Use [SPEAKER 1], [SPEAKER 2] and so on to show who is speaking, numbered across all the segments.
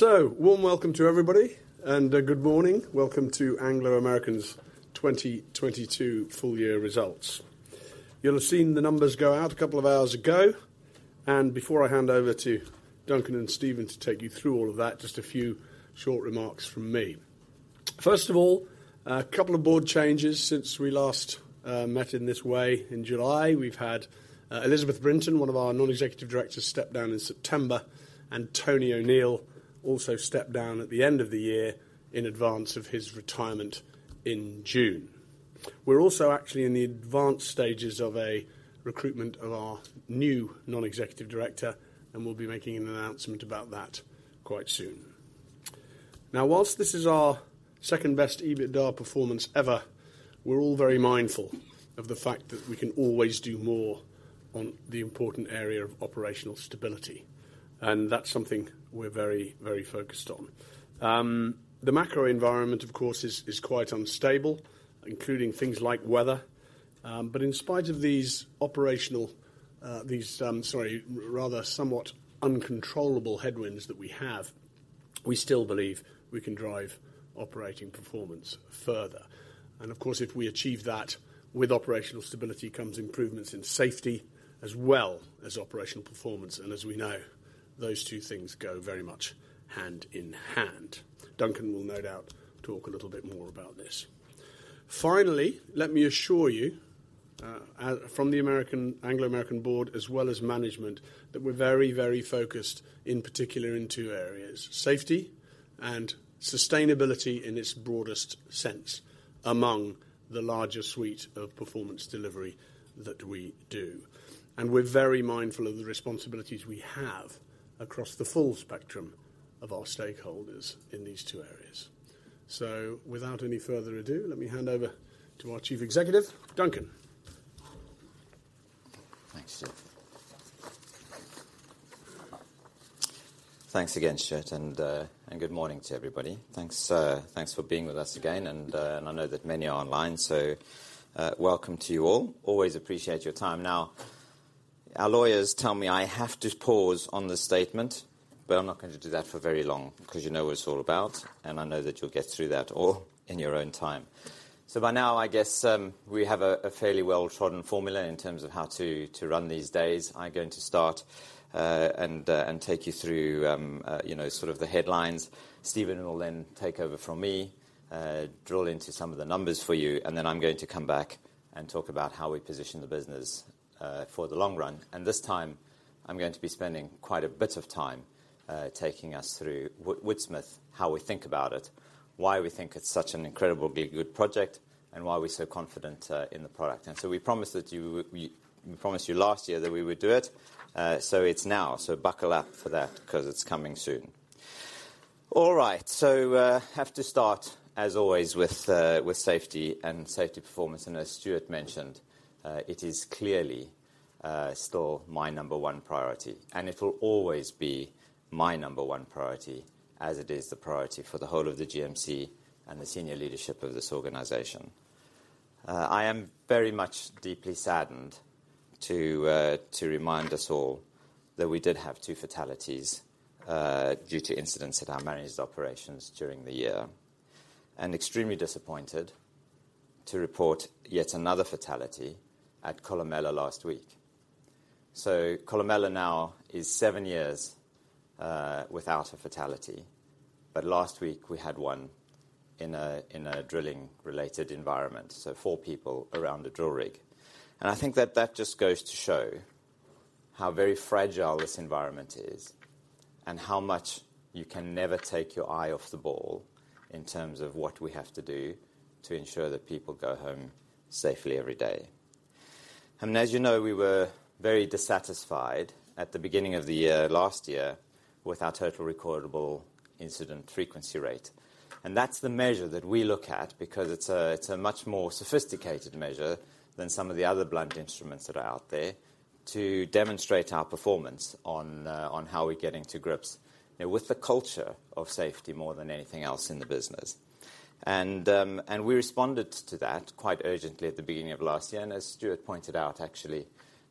[SPEAKER 1] Warm welcome to everybody, and good morning. Welcome to Anglo American's 2022 full year results. You'll have seen the numbers go out a couple of hours ago, and before I hand over to Duncan and Stephen to take you through all of that, just a few short remarks from me. First of all, a couple of board changes since we last met in this way in July. We've had Elisabeth Brinton, one of our non-executive directors, step down in September, and Tony O'Neill also stepped down at the end of the year in advance of his retirement in June. We're also actually in the advanced stages of a recruitment of our new non-executive director, and we'll be making an announcement about that quite soon. Whilst this is our second-best EBITDA performance ever, we're all very mindful of the fact that we can always do more on the important area of operational stability, and that's something we're very focused on. The macro environment, of course, is quite unstable, including things like weather. But in spite of these, sorry, rather somewhat uncontrollable headwinds that we have, we still believe we can drive operating performance further. Of course, if we achieve that, with operational stability comes improvements in safety as well as operational performance. As we know, those two things go very much hand in hand. Duncan will no doubt talk a little bit more about this. Finally, let me assure you, from the Anglo American board as well as management, that we're very focused, in particular in two areas: safety and sustainability in its broadest sense among the larger suite of performance delivery that we do. We're very mindful of the responsibilities we have across the full spectrum of our stakeholders in these two areas. Without any further ado, let me hand over to our Chief Executive, Duncan.
[SPEAKER 2] Thanks, Stuart. Thanks again, Stuart, and good morning to everybody. Thanks, thanks for being with us again, and I know that many are online, so welcome to you all. Always appreciate your time. Our lawyers tell me I have to pause on this statement, but I'm not going to do that for very long because you know what it's all about, and I know that you'll get through that all in your own time. By now, I guess, we have a fairly well-trodden formula in terms of how to run these days. I'm going to start, and take you through, you know, sort of the headlines. Stephen will then take over from me, drill into some of the numbers for you, I'm going to come back and talk about how we position the business for the long run. This time, I'm going to be spending quite a bit of time taking us through Woodsmith, how we think about it, why we think it's such an incredibly good project, and why we're so confident in the product. We promised you last year that we would do it. It's now. Buckle up for that 'cause it's coming soon. All right. Have to start as always with safety and safety performance, and as Stuart mentioned, it is clearly still my number one priority, and it will always be my number one priority as it is the priority for the whole of the GMC and the senior leadership of this organization. I am very much deeply saddened to remind us all that we did have two fatalities due to incidents at our managed operations during the year, and extremely disappointed to report yet another fatality at Kolomela last week. Kolomela now is seven years without a fatality, but last week we had one in a drilling-related environment, so four people around a drill rig. I think that that just goes to show how very fragile this environment is and how much you can never take your eye off the ball in terms of what we have to do to ensure that people go home safely every day. As you know, we were very dissatisfied at the beginning of the year, last year, with our Total Recordable Incident Frequency Rate. That's the measure that we look at because it's a much more sophisticated measure than some of the other blunt instruments that are out there to demonstrate our performance on how we're getting to grips, you know, with the culture of safety more than anything else in the business. We responded to that quite urgently at the beginning of last year. As Stuart pointed out, actually,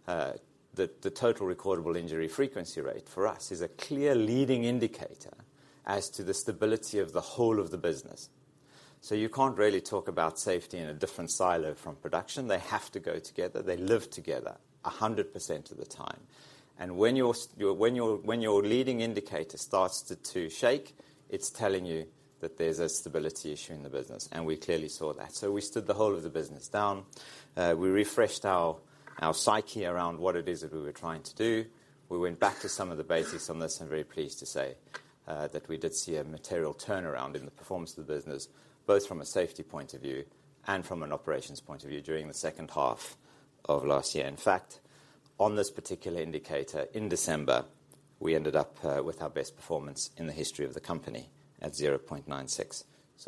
[SPEAKER 2] the Total Recordable Injury Frequency Rate for us is a clear leading indicator as to the stability of the whole of the business. You can't really talk about safety in a different silo from production. They have to go together. They live together 100% of the time. When your leading indicator starts to shake, it's telling you that there's a stability issue in the business, and we clearly saw that. We stood the whole of the business down. We refreshed our psyche around what it is that we were trying to do. We went back to some of the basics on this and very pleased to say, that we did see a material turnaround in the performance of the business, both from a safety point of view and from an operations point of view during the second half of last year. In fact, on this particular indicator, in December, we ended up with our best performance in the history of the company at 0.96.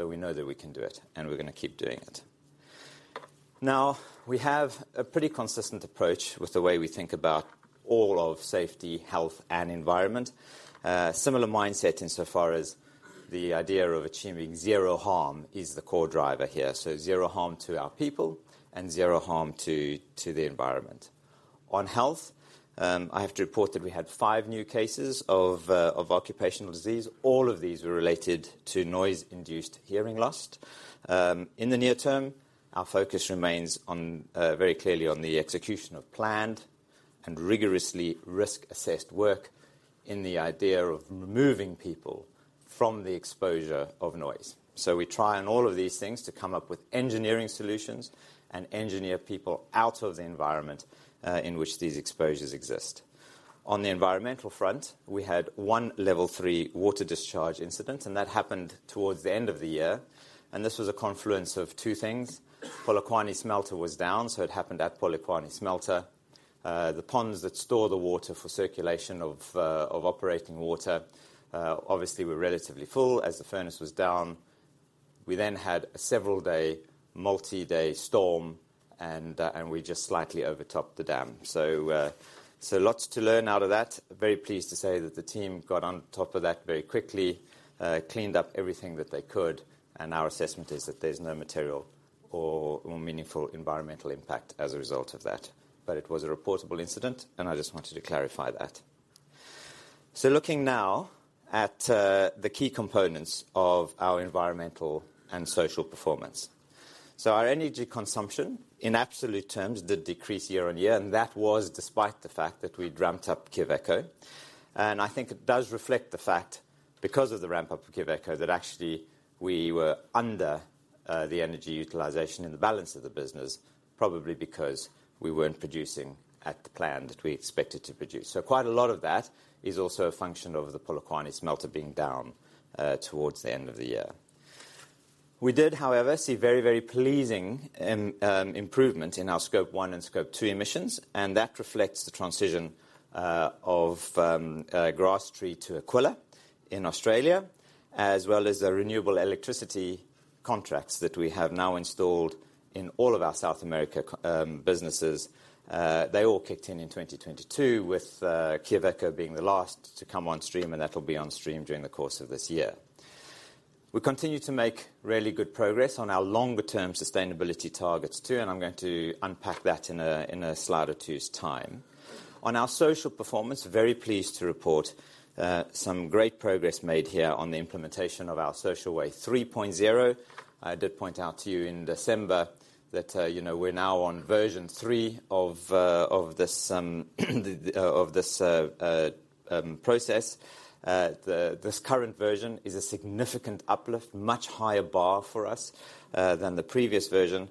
[SPEAKER 2] We know that we can do it, and we're gonna keep doing it. We have a pretty consistent approach with the way we think about all of safety, health, and environment. Similar mindset insofar as the idea of achieving zero harm is the core driver here. Zero harm to our people and zero harm to the environment. On health, I have to report that we had five new cases of occupational disease. All of these were related to noise-induced hearing loss. In the near term, our focus remains on very clearly on the execution of planned and rigorously risk-assessed work in the idea of removing people from the exposure of noise. We try on all of these things to come up with engineering solutions and engineer people out of the environment in which these exposures exist. On the environmental front, we had one level three water discharge incident, that happened towards the end of the year. This was a confluence of two things. Polokwane Smelter was down, so it happened at Polokwane Smelter. The ponds that store the water for circulation of operating water, obviously were relatively full as the furnace was down. We then had a several-day, multi-day storm and we just slightly overtopped the dam. Lots to learn out of that. Very pleased to say that the team got on top of that very quickly, cleaned up everything that they could, and our assessment is that there's no material or meaningful environmental impact as a result of that. It was a reportable incident, and I just wanted to clarify that. Looking now at the key components of our environmental and social performance. Our energy consumption in absolute terms did decrease year-on-year, and that was despite the fact that we'd ramped up Quellaveco. I think it does reflect the fact because of the ramp up of Quellaveco, that actually we were under the energy utilization in the balance of the business, probably because we weren't producing at the plan that we expected to produce. Quite a lot of that is also a function of the Polokwane smelter being down towards the end of the year. We did, however, see very pleasing improvement in our Scope 1 and Scope 2 emissions, and that reflects the transition of Grasstree to Aquila in Australia, as well as the renewable electricity contracts that we have now installed in all of our South America businesses. They all kicked in in 2022 with Quellaveco being the last to come on stream, and that'll be on stream during the course of this year. We continue to make really good progress on our longer term sustainability targets too. I'm going to unpack that in a slide or two's time. On our social performance, very pleased to report some great progress made here on the implementation of our Social Way 3.0. I did point out to you in December that, you know, we're now on version three of this process. This current version is a significant uplift, much higher bar for us than the previous version.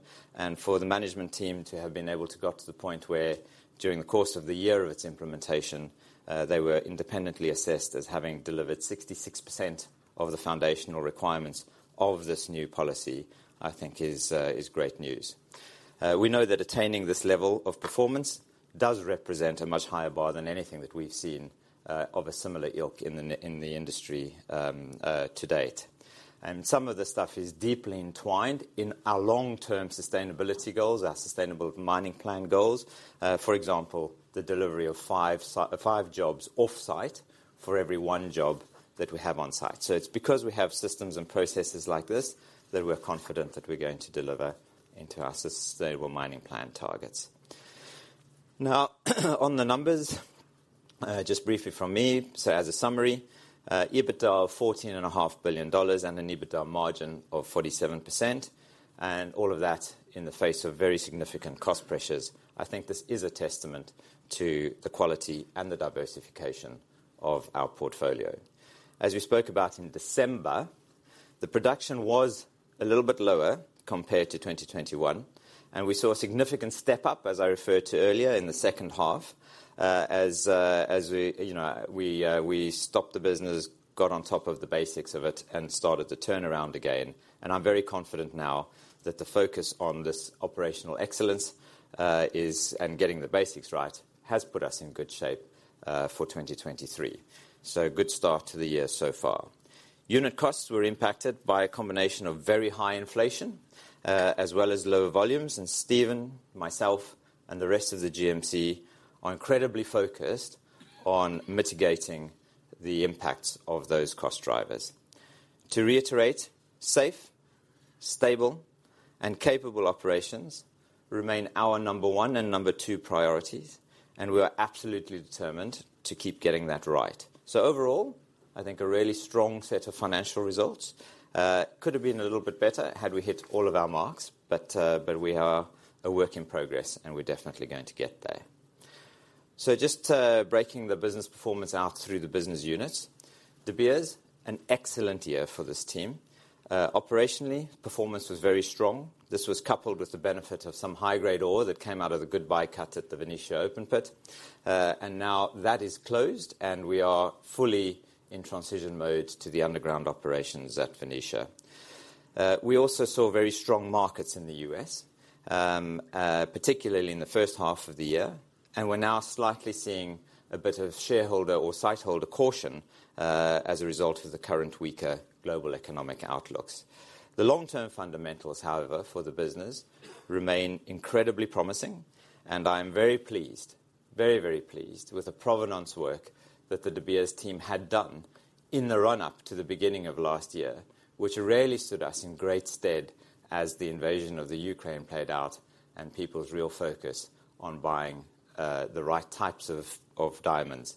[SPEAKER 2] For the management team to have been able to got to the point where during the course of the year of its implementation, they were independently assessed as having delivered 66% of the foundational requirements of this new policy, I think is great news. We know that attaining this level of performance does represent a much higher bar than anything that we've seen of a similar ilk in the industry to date. Some of the stuff is deeply entwined in our long-term sustainability goals, our Sustainable Mining Plan goals. For example, the delivery of five jobs off-site for every one job that we have on site. It's because we have systems and processes like this that we're confident that we're going to deliver into our Sustainable Mining Plan targets. On the numbers, just briefly from me. As a summary, EBITDA of fourteen and a half billion dollars and an EBITDA margin of 47%, and all of that in the face of very significant cost pressures. I think this is a testament to the quality and the diversification of our portfolio. As we spoke about in December, the production was a little bit lower compared to 2021. We saw a significant step up, as I referred to earlier in the second half, as we, you know, we stopped the business, got on top of the basics of it and started to turn around again. I'm very confident now that the focus on this operational excellence is, and getting the basics right, has put us in good shape for 2023. Good start to the year so far. Unit costs were impacted by a combination of very high inflation, as well as lower volumes. Stephen, myself, and the rest of the GMC are incredibly focused on mitigating the impacts of those cost drivers. To reiterate, safe, stable, and capable operations remain our number one and number two priorities, we are absolutely determined to keep getting that right. Overall, I think a really strong set of financial results. Could have been a little bit better had we hit all of our marks, but we are a work in progress, we're definitely going to get there. Just breaking the business performance out through the business units. De Beers, an excellent year for this team. Operationally, performance was very strong. This was coupled with the benefit of some high-grade ore that came out of the Goodbye Cut at the Venetia Open Pit. Now that is closed, we are fully in transition mode to the underground operations at Venetia. We also saw very strong markets in the U.S., particularly in the first half of the year. We're now slightly seeing a bit of shareholder or Sightholder caution as a result of the current weaker global economic outlooks. The long-term fundamentals, however, for the business remain incredibly promising. I am very, very pleased with the provenance work that the De Beers team had done in the run-up to the beginning of last year, which really stood us in great stead as the invasion of the Ukraine played out and people's real focus on buying the right types of diamonds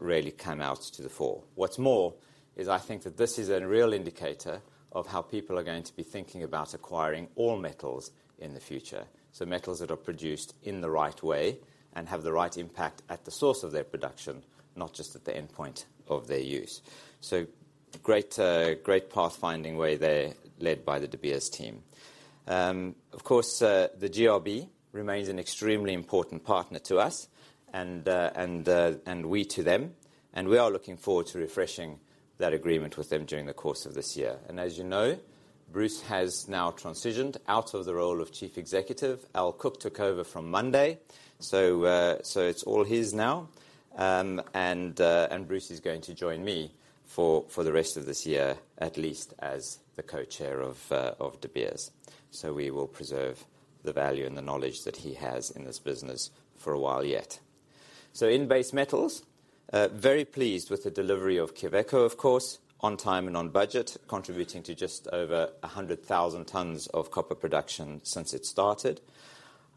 [SPEAKER 2] really come out to the fore. What's more, is I think that this is a real indicator of how people are going to be thinking about acquiring all metals in the future. Metals that are produced in the right way and have the right impact at the source of their production, not just at the endpoint of their use. Great, great path-finding way there led by the De Beers team. Of course, the GRB remains an extremely important partner to us and we to them, and we are looking forward to refreshing that agreement with them during the course of this year. As you know, Bruce has now transitioned out of the role of chief executive. Al Cook took over from Monday, it's all his now. Bruce is going to join me for the rest of this year, at least, as the co-chair of De Beers. We will preserve the value and the knowledge that he has in this business for a while yet. In base metals, very pleased with the delivery of Quellaveco, of course, on time and on budget, contributing to just over 100,000 tons of copper production since it started.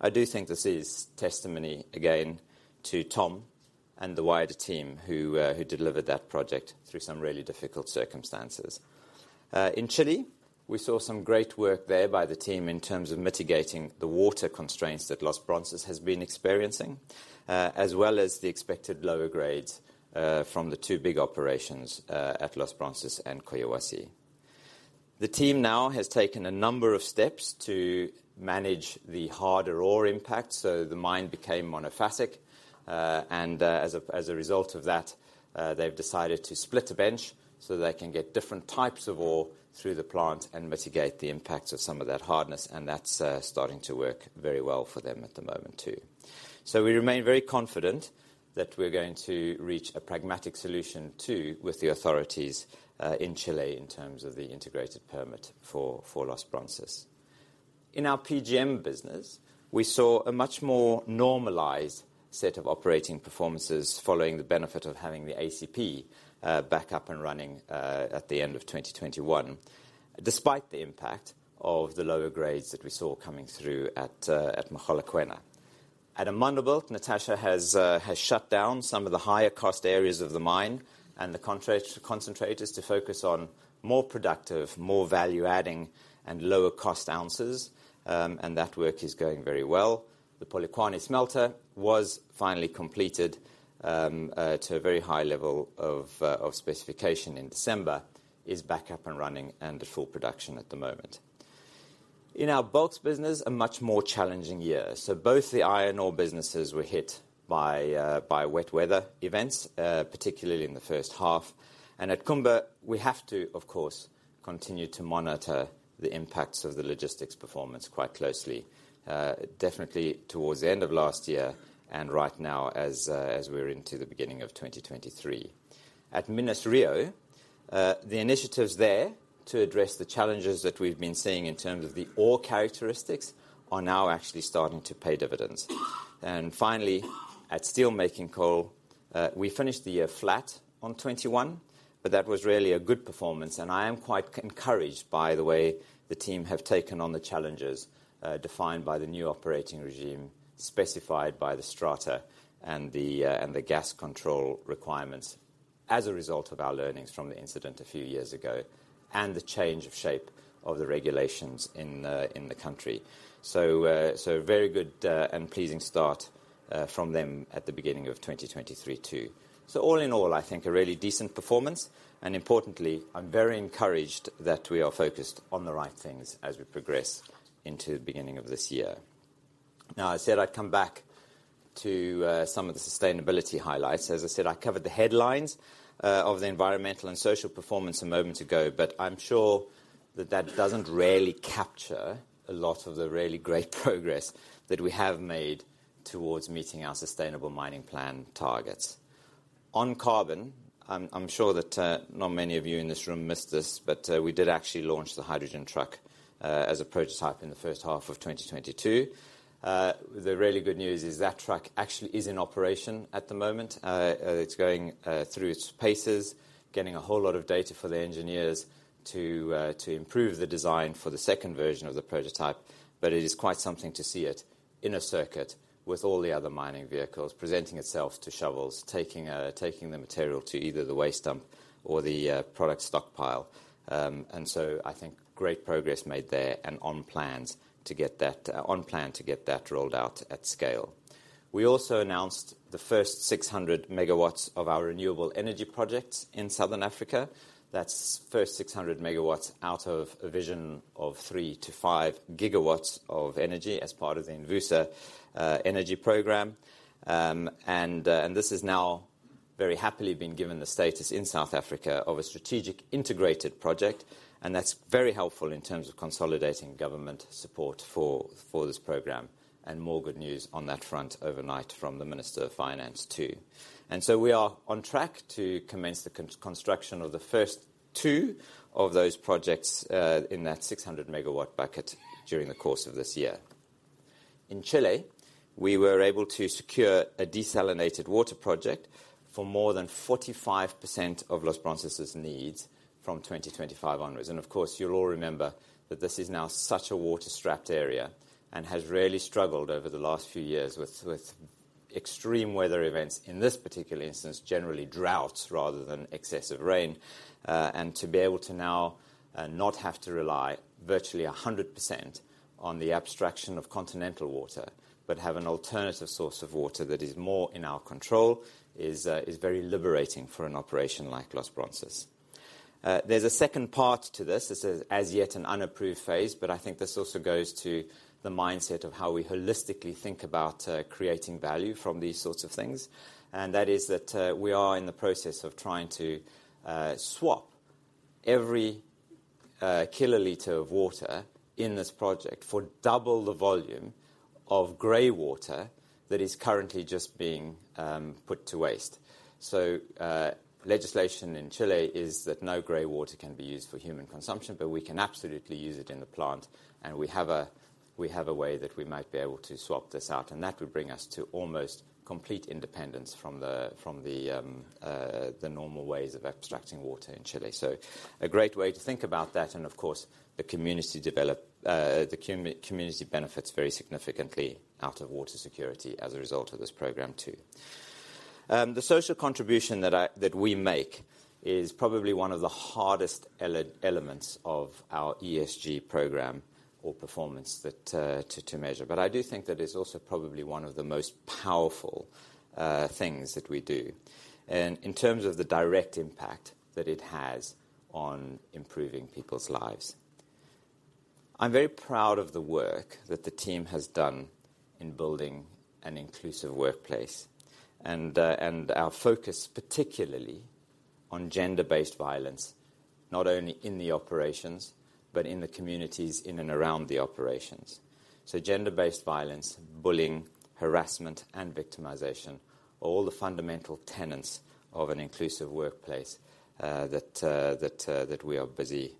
[SPEAKER 2] I do think this is testimony, again, to Tom and the wider team who delivered that project through some really difficult circumstances. In Chile, we saw some great work there by the team in terms of mitigating the water constraints that Los Bronces has been experiencing, as well as the expected lower grades from the two big operations at Los Bronces and Collahuasi. The team now has taken a number of steps to manage the harder ore impact, so the mine became monofasic. As a result of that, they've decided to split a bench so they can get different types of ore through the plant and mitigate the impacts of some of that hardness, and that's starting to work very well for them at the moment too. We remain very confident that we're going to reach a pragmatic solution too with the authorities in Chile in terms of the integrated permit for Los Bronces. In our PGM business, we saw a much more normalized set of operating performances following the benefit of having the ACP back up and running at the end of 2021, despite the impact of the lower grades that we saw coming through at Mogalakwena. At Amandelbult, Natasha has shut down some of the higher cost areas of the mine and the concentrators to focus on more productive, more value-adding, and lower cost ounces, and that work is going very well. The Polokwane smelter was finally completed to a very high level of specification in December. Is back up and running and at full production at the moment. In our bulks business, a much more challenging year. Both the iron ore businesses were hit by wet weather events, particularly in the first half. At Kumba, we have to, of course, continue to monitor the impacts of the logistics performance quite closely, definitely towards the end of last year and right now as we're into the beginning of 2023. At Minas-Rio, the initiatives there to address the challenges that we've been seeing in terms of the ore characteristics are now actually starting to pay dividends. Finally, at steel making coal, we finished the year flat on 21, but that was really a good performance, and I am quite encouraged by the way the team have taken on the challenges, defined by the new operating regime, specified by the strata and the and the gas control requirements as a result of our learnings from the incident a few years ago and the change of shape of the regulations in the country. Very good and pleasing start from them at the beginning of 2023 too. All in all, I think a really decent performance. Importantly, I'm very encouraged that we are focused on the right things as we progress into the beginning of this year. I said I'd come back to some of the sustainability highlights. I said I covered the headlines of the environmental and social performance a moment ago, I'm sure that that doesn't really capture a lot of the really great progress that we have made towards meeting our Sustainable Mining Plan targets. On carbon, I'm sure that not many of you in this room missed this, but we did actually launch the hydrogen truck as a prototype in the first half of 2022. The really good news is that truck actually is in operation at the moment. It's going through its paces, getting a whole lot of data for the engineers to improve the design for the second version of the prototype. It is quite something to see it in a circuit with all the other mining vehicles, presenting itself to shovels, taking the material to either the waste dump or the product stockpile. I think great progress made there and on plan to get that rolled out at scale. We also announced the first 600 MW of our renewable energy projects in Southern Africa. That's first 600 MW out of a vision of 3-5 GW of energy as part of the Envusa Energy program. This is now very happily been given the status in South Africa of a Strategic Integrated Project. That's very helpful in terms of consolidating government support for this program. More good news on that front overnight from the Minister of Finance too. We are on track to commence the construction of the first two of those projects in that 600 MW bucket during the course of this year. In Chile, we were able to secure a desalinated water project for more than 45% of Los Bronces' needs from 2025 onwards. Of course, you'll all remember that this is now such a water-strapped area and has really struggled over the last few years with extreme weather events, in this particular instance, generally droughts rather than excessive rain. To be able to now not have to rely virtually 100% on the abstraction of continental water, but have an alternative source of water that is more in our control is very liberating for an operation like Los Bronces. There's a second part to this. This is as yet an unapproved phase, but I think this also goes to the mindset of how we holistically think about creating value from these sorts of things. That is that we are in the process of trying to swap every kiloliter of water in this project for double the volume of gray water that is currently just being put to waste. Legislation in Chile is that no gray water can be used for human consumption, but we can absolutely use it in the plant, and we have a way that we might be able to swap this out, and that would bring us to almost complete independence from the normal ways of abstracting water in Chile. A great way to think about that and of course the community benefits very significantly out of water security as a result of this program too. The social contribution that we make is probably one of the hardest elements of our ESG program or performance that to measure. I do think that it's also probably one of the most powerful things that we do. In terms of the direct impact that it has on improving people's lives. I'm very proud of the work that the team has done in building an inclusive workplace, and our focus particularly on gender-based violence, not only in the operations, but in the communities in and around the operations. Gender-based violence, bullying, harassment, and victimization, all the fundamental tenants of an inclusive workplace that we are busy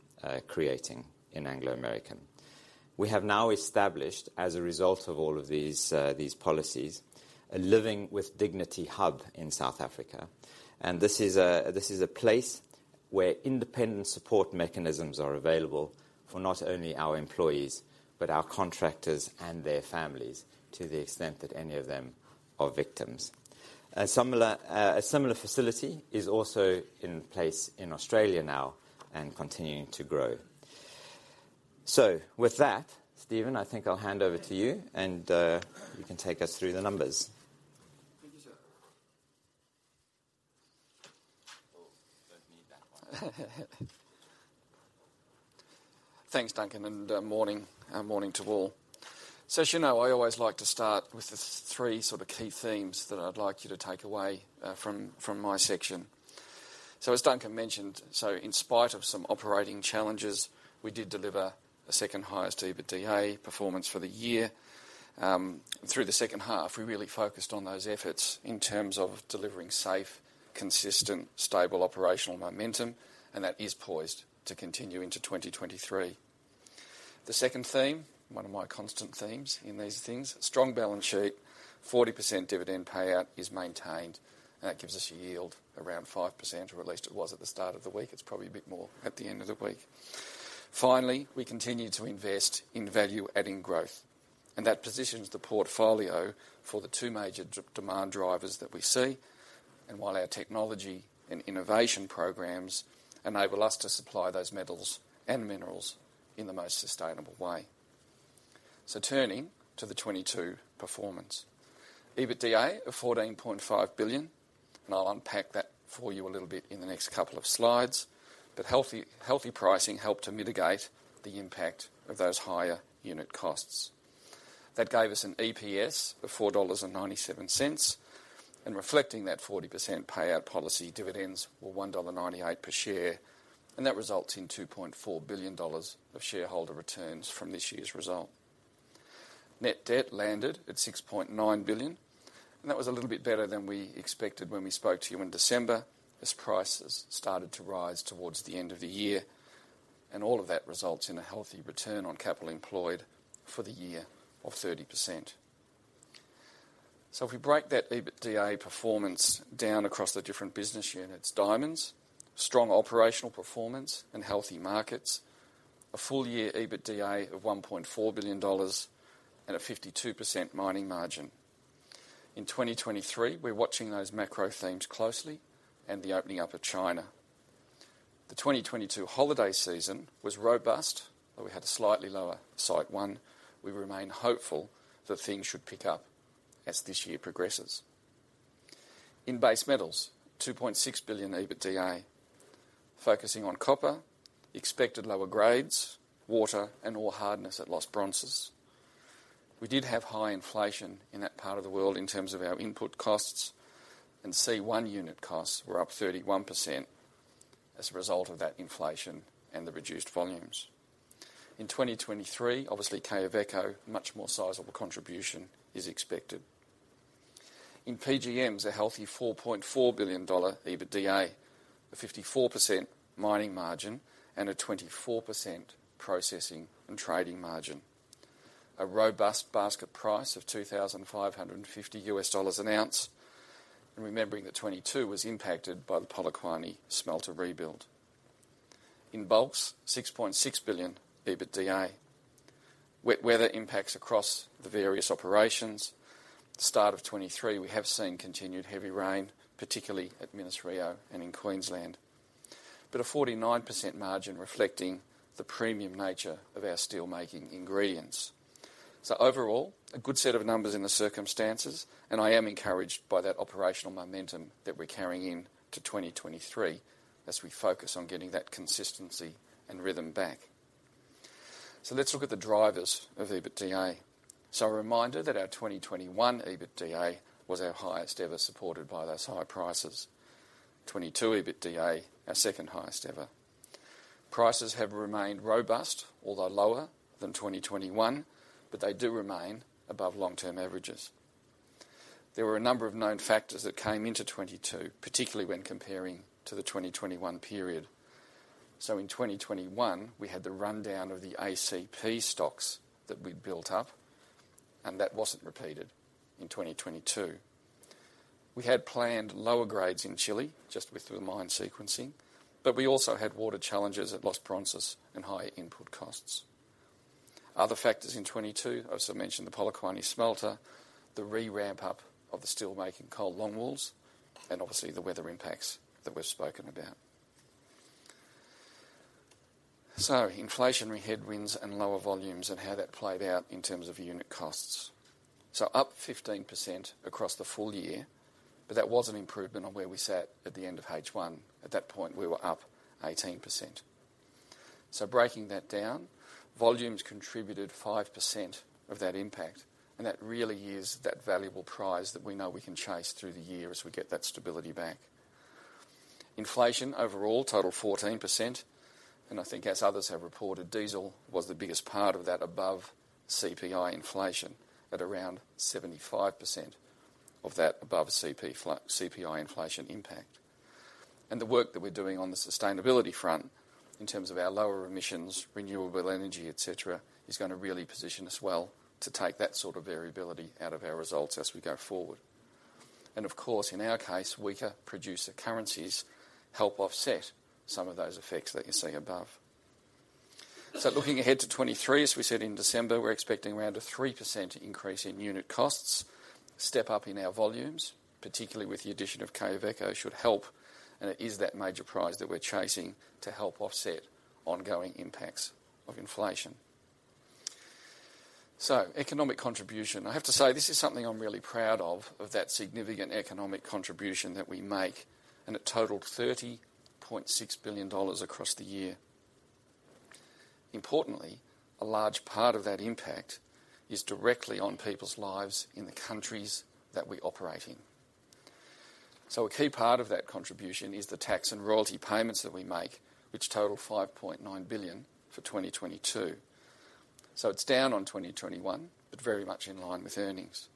[SPEAKER 2] creating in Anglo American. We have now established, as a result of all of these policies, a Living With Dignity Hub in South Africa. This is a place where independent support mechanisms are available for not only our employees, but our contractors and their families to the extent that any of them are victims. A similar facility is also in place in Australia now and continuing to grow. With that, Stephen, I think I'll hand over to you and you can take us through the numbers.
[SPEAKER 3] Thank you, sir. Oh, don't need that one. Thanks, Duncan. Morning to all. As you know, I always like to start with the three sort of key themes that I'd like you to take away from my section. As Duncan mentioned, in spite of some operating challenges, we did deliver the second highest EBITDA performance for the year. Through the second half, we really focused on those efforts in terms of delivering safe, consistent, stable operational momentum, and that is poised to continue into 2023. The second theme, one of my constant themes in these things, strong balance sheet, 40% dividend payout is maintained, and that gives us a yield around 5%, or at least it was at the start of the week. It's probably a bit more at the end of the week. We continue to invest in value-adding growth, and that positions the portfolio for the two major demand drivers that we see, and while our technology and innovation programs enable us to supply those metals and minerals in the most sustainable way. Turning to the 2022 performance. EBITDA of $14.5 billion. I'll unpack that for you a little bit in the next couple of slides. Healthy pricing helped to mitigate the impact of those higher unit costs. That gave us an EPS of $4.97, and reflecting that 40% payout policy, dividends were $1.98 per share, and that results in $2.4 billion of shareholder returns from this year's result. Net debt landed at $6.9 billion, that was a little bit better than we expected when we spoke to you in December, as prices started to rise towards the end of the year. All of that results in a healthy Return on Capital Employed for the year of 30%. If we break that EBITDA performance down across the different business units, diamonds, strong operational performance and healthy markets, a full-year EBITDA of $1.4 billion and a 52% mining margin. In 2023, we're watching those macro themes closely and the opening up of China. The 2022 holiday season was robust, we had a slightly lower Sight One. We remain hopeful that things should pick up as this year progresses. In base metals, $2.6 billion EBITDA. Focusing on copper, expected lower grades, water, and ore hardness at Los Bronces. We did have high inflation in that part of the world in terms of our input costs, and C1 unit costs were up 31% as a result of that inflation and the reduced volumes. In 2023, obviously, Quellaveco, much more sizable contribution is expected. In PGMs, a healthy $4.4 billion EBITDA, a 54% mining margin and a 24% processing and trading margin. A robust basket price of $2,550 an ounce, and remembering that 2022 was impacted by the Polokwane smelter rebuild. In bulks, $6.6 billion EBITDA. Wet weather impacts across the various operations. Start of 2023, we have seen continued heavy rain, particularly at Minas-Rio and in Queensland, but a 49% margin reflecting the premium nature of our steelmaking ingredients. Overall, a good set of numbers in the circumstances, and I am encouraged by that operational momentum that we're carrying into 2023 as we focus on getting that consistency and rhythm back. Let's look at the drivers of EBITDA. A reminder that our 2021 EBITDA was our highest ever, supported by those high prices. 2022 EBITDA, our second highest ever. Prices have remained robust, although lower than 2021, but they do remain above long-term averages. There were a number of known factors that came into 2022, particularly when comparing to the 2021 period. In 2021, we had the rundown of the ACP stocks that we'd built up, and that wasn't repeated in 2022. We had planned lower grades in Chile, just with the mine sequencing, but we also had water challenges at Los Bronces and higher input costs. Other factors in 2022, I also mentioned the Polokwane smelter, the re-ramp-up of the steelmaking coal longwalls, and obviously the weather impacts that we've spoken about. Inflationary headwinds and lower volumes and how that played out in terms of unit costs. Up 15% across the full year, but that was an improvement on where we sat at the end of H1. At that point, we were up 18%. Breaking that down, volumes contributed 5% of that impact, and that really is that valuable prize that we know we can chase through the year as we get that stability back. Inflation overall totaled 14%, and I think as others have reported, diesel was the biggest part of that above CPI inflation at around 75% of that above CPI inflation impact. The work that we're doing on the sustainability front in terms of our lower emissions, renewable energy, et cetera, is gonna really position us well to take that sort of variability out of our results as we go forward. Of course, in our case, weaker producer currencies help offset some of those effects that you see above. Looking ahead to 2023, as we said in December, we're expecting around a 3% increase in unit costs, step up in our volumes, particularly with the addition of Quellaveco should help. It is that major prize that we're chasing to help offset ongoing impacts of inflation. Economic contribution. I have to say, this is something I'm really proud of that significant economic contribution that we make, and it totaled $30.6 billion across the year. Importantly, a large part of that impact is directly on people's lives in the countries that we operate in. A key part of that contribution is the tax and royalty payments that we make, which total $5.9 billion for 2022. It's down on 2021, but very much in line with earnings.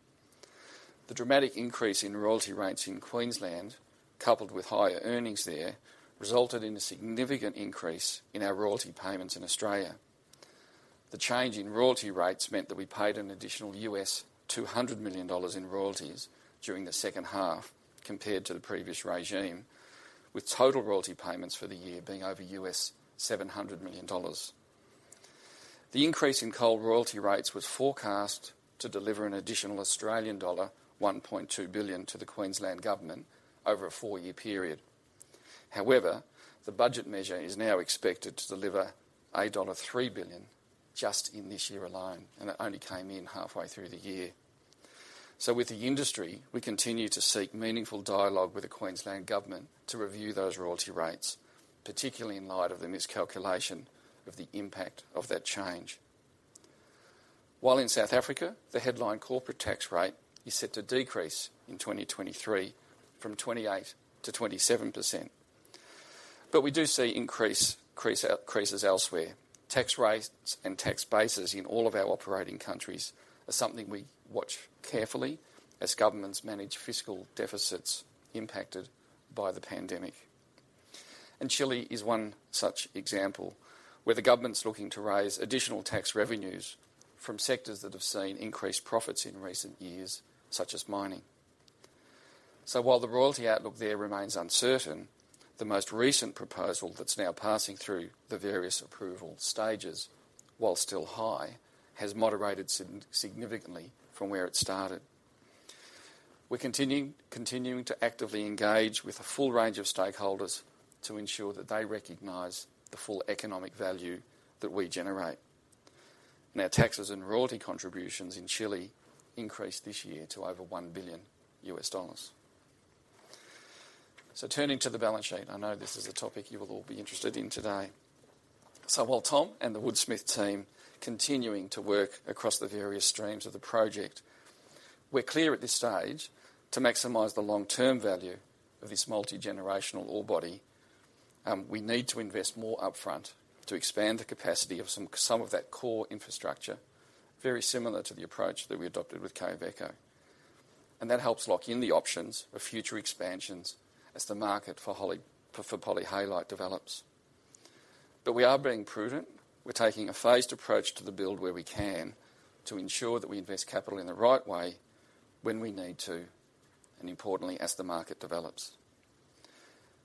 [SPEAKER 3] The dramatic increase in royalty rates in Queensland, coupled with higher earnings there, resulted in a significant increase in our royalty payments in Australia. The change in royalty rates meant that we paid an additional $200 million in royalties during the second half compared to the previous regime, with total royalty payments for the year being over $700 million. The increase in coal royalty rates was forecast to deliver an additional Australian dollar 1.2 billion to the Queensland Government over a four-year period. The budget measure is now expected to deliver dollar 3 billion just in this year alone, and it only came in halfway through the year. With the industry, we continue to seek meaningful dialogue with the Queensland Government to review those royalty rates, particularly in light of the miscalculation of the impact of that change. While in South Africa, the headline corporate tax rate is set to decrease in 2023 from 28%-27%. We do see increases elsewhere. Tax rates and tax bases in all of our operating countries are something we watch carefully as governments manage fiscal deficits impacted by the pandemic. Chile is one such example, where the government's looking to raise additional tax revenues from sectors that have seen increased profits in recent years, such as mining. While the royalty outlook there remains uncertain, the most recent proposal that's now passing through the various approval stages, while still high, has moderated significantly from where it started. We're continuing to actively engage with a full range of stakeholders to ensure that they recognize the full economic value that we generate. Now, taxes and royalty contributions in Chile increased this year to over $1 billion. Turning to the balance sheet, I know this is a topic you will all be interested in today. While Tom and the Woodsmith team continuing to work across the various streams of the project, we're clear at this stage to maximize the long-term value of this multigenerational ore body, we need to invest more upfront to expand the capacity of some of that core infrastructure, very similar to the approach that we adopted with Quellaveco. That helps lock in the options for future expansions as the market for polyhalite develops. We are being prudent. We're taking a phased approach to the build where we can to ensure that we invest capital in the right way when we need to. Importantly, as the market develops.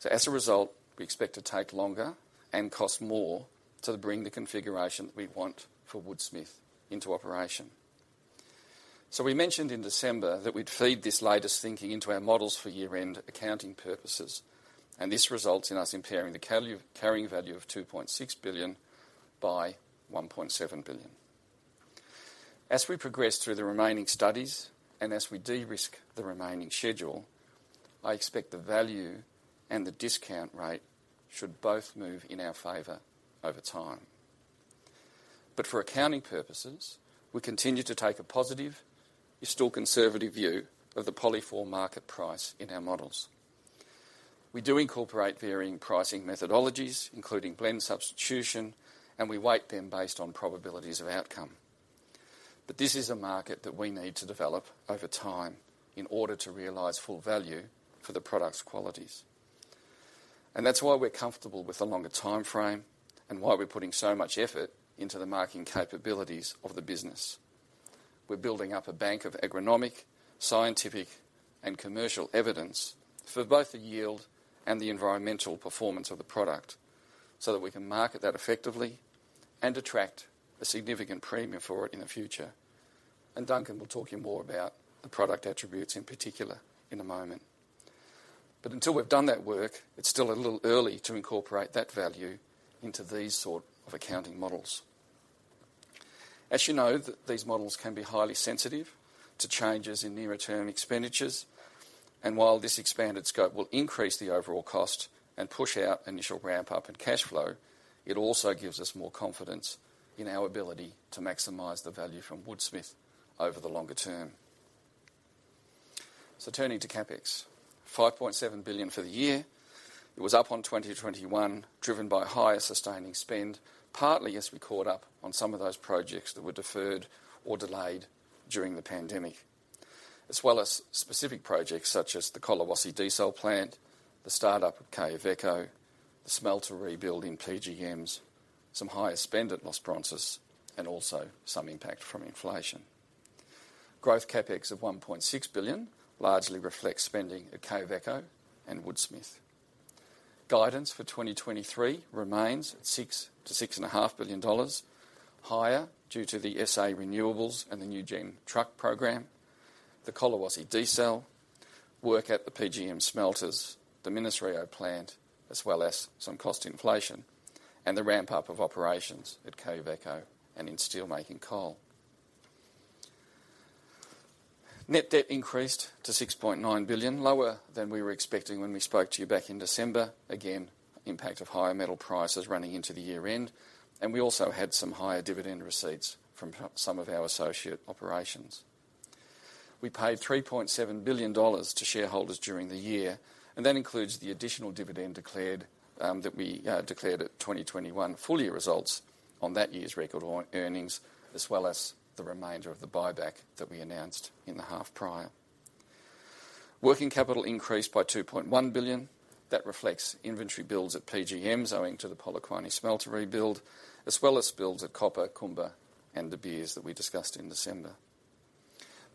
[SPEAKER 3] As a result, we expect to take longer and cost more to bring the configuration we want for Woodsmith into operation. We mentioned in December that we'd feed this latest thinking into our models for year-end accounting purposes, and this results in us impairing the carrying value of $2.6 billion by $1.7 billion. As we progress through the remaining studies and as we de-risk the remaining schedule, I expect the value and the discount rate should both move in our favor over time. For accounting purposes, we continue to take a positive, but still conservative view of the POLY4 market price in our models. We do incorporate varying pricing methodologies, including blend substitution, and we weight them based on probabilities of outcome. This is a market that we need to develop over time in order to realize full value for the product's qualities. That's why we're comfortable with a longer timeframe and why we're putting so much effort into the marketing capabilities of the business. We're building up a bank of agronomic, scientific, and commercial evidence for both the yield and the environmental performance of the product, so that we can market that effectively and attract a significant premium for it in the future. Duncan will talk you more about the product attributes in particular in a moment. Until we've done that work, it's still a little early to incorporate that value into these sort of accounting models. As you know, these models can be highly sensitive to changes in near-term expenditures. While this expanded scope will increase the overall cost and push out initial ramp up and cash flow, it also gives us more confidence in our ability to maximize the value from Woodsmith over the longer term. Turning to CapEx, $5.7 billion for the year. It was up on 2021, driven by higher sustaining spend, partly as we caught up on some of those projects that were deferred or delayed during the pandemic, as well as specific projects such as the Kolomela diesel plant, the start-up of Quellaveco, the smelter rebuild in PGMs, some higher spend at Los Bronces, and also some impact from inflation. Growth CapEx of $1.6 billion largely reflects spending at Quellaveco and Woodsmith. Guidance for 2023 remains at $6 billion-$6.5 billion, higher due to the SA renewables and the nuGen truck program, the Kolomela diesel, work at the PGM smelters, the Minas-Rio plant, as well as some cost inflation and the ramp-up of operations at Quellaveco and in steelmaking coal. Net debt increased to $6.9 billion, lower than we were expecting when we spoke to you back in December. Impact of higher metal prices running into the year-end, and we also had some higher dividend receipts from some of our associate operations. We paid $3.7 billion to shareholders during the year. That includes the additional dividend declared that we declared at 2021 full year results on that year's record on earnings, as well as the remainder of the buyback that we announced in the half prior. Working capital increased by $2.1 billion. That reflects inventory builds at PGMs owing to the Polokwane smelter rebuild, as well as builds at Copper, Kumba, and De Beers that we discussed in December.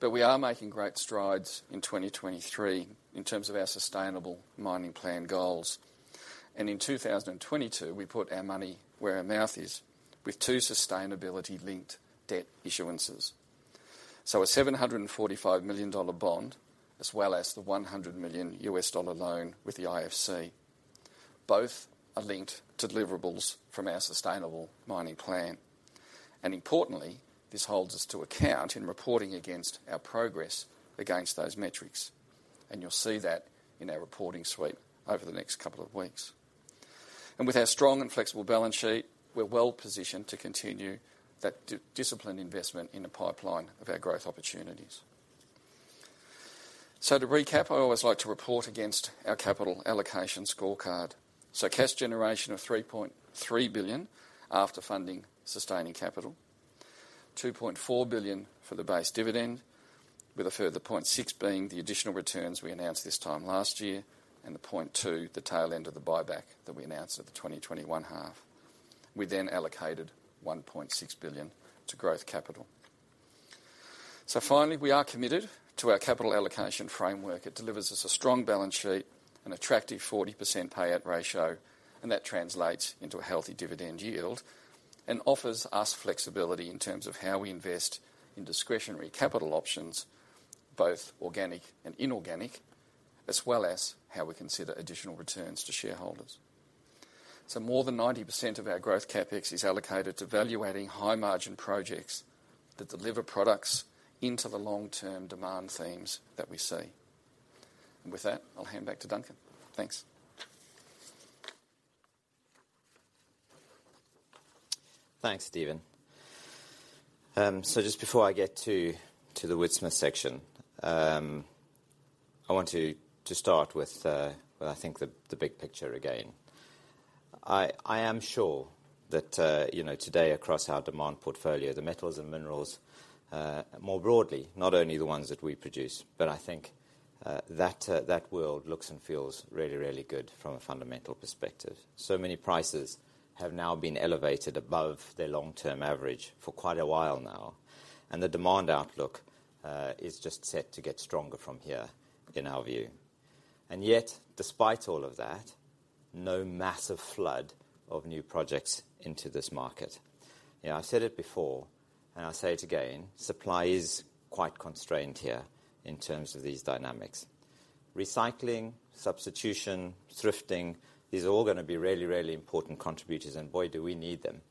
[SPEAKER 3] We are making great strides in 2023 in terms of our Sustainable Mining Plan goals. In 2022, we put our money where our mouth is with two sustainability-linked debt issuances. A $745 million bond, as well as the $100 million loan with the IFC, both are linked to deliverables from our Sustainable Mining Plan. Importantly, this holds us to account in reporting against our progress against those metrics. You'll see that in our reporting suite over the next couple of weeks. With our strong and flexible balance sheet, we're well-positioned to continue that discipline investment in the pipeline of our growth opportunities. To recap, I always like to report against our capital allocation scorecard. Cash generation of $3.3 billion after funding sustaining capital, $2.4 billion for the base dividend, with a further $0.6 billion being the additional returns we announced this time last year, and the $0.2 billion, the tail end of the buyback that we announced at the 2021 half. We allocated $1.6 billion to growth capital. Finally, we are committed to our capital allocation framework. It delivers us a strong balance sheet, an attractive 40% payout ratio, and that translates into a healthy dividend yield and offers us flexibility in terms of how we invest in discretionary capital options, both organic and inorganic, as well as how we consider additional returns to shareholders. More than 90% of our growth CapEx is allocated to value-adding high-margin projects that deliver products into the long-term demand themes that we see. With that, I'll hand back to Duncan. Thanks.
[SPEAKER 2] Thanks, Stephen. Just before I get to the Woodsmith section, I want to start with what I think the big picture again. I am sure that, you know, today across our demand portfolio, the metals and minerals, more broadly, not only the ones that we produce, but I think that that world looks and feels really, really good from a fundamental perspective. So many prices have now been elevated above their long-term average for quite a while now, and the demand outlook is just set to get stronger from here, in our view. Yet, despite all of that, no massive flood of new projects into this market. You know, I've said it before, and I'll say it again, supply is quite constrained here in terms of these dynamics. Recycling, substitution, thrifting, these are all gonna be really, really important contributors, and boy, do we need them.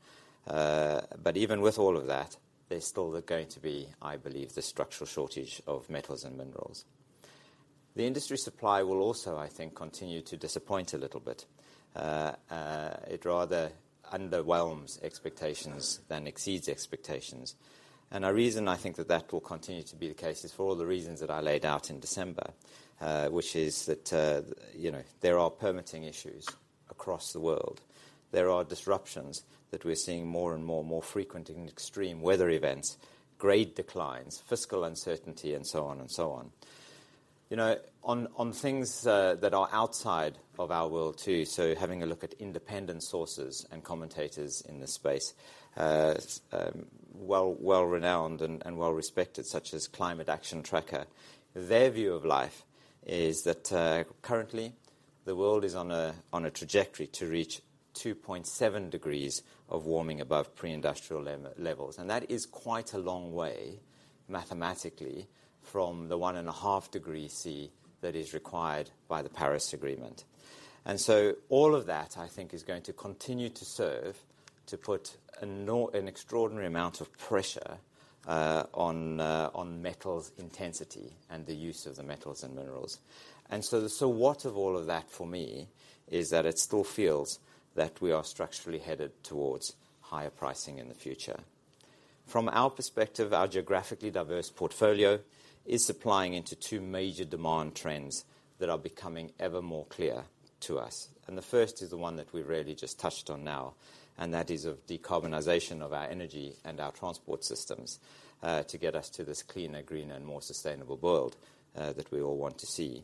[SPEAKER 2] Even with all of that, there's still going to be, I believe, the structural shortage of metals and minerals. The industry supply will also, I think, continue to disappoint a little bit. It rather underwhelms expectations than exceeds expectations. A reason I think that that will continue to be the case is for all the reasons that I laid out in December, which is that, you know, there are permitting issues across the world. There are disruptions that we're seeing more and more, more frequent and extreme weather events, grade declines, fiscal uncertainty, and so on and so on. You know, on things that are outside of our world too, so having a look at independent sources and commentators in this space, well-renowned and well-respected, such as Climate Action Tracker. Their view of life is that currently the world is on a trajectory to reach 2.7 degrees of warming above pre-industrial levels, and that is quite a long way mathematically from the one and a half degree C that is required by the Paris Agreement. All of that, I think, is going to continue to serve to put an extraordinary amount of pressure on metals intensity and the use of the metals and minerals. So what of all of that for me is that it still feels that we are structurally headed towards higher pricing in the future. From our perspective, our geographically diverse portfolio is supplying into two major demand trends that are becoming ever more clear to us. The first is the one that we really just touched on now, and that is of decarbonization of our energy and our transport systems to get us to this cleaner, greener, and more sustainable world that we all want to see.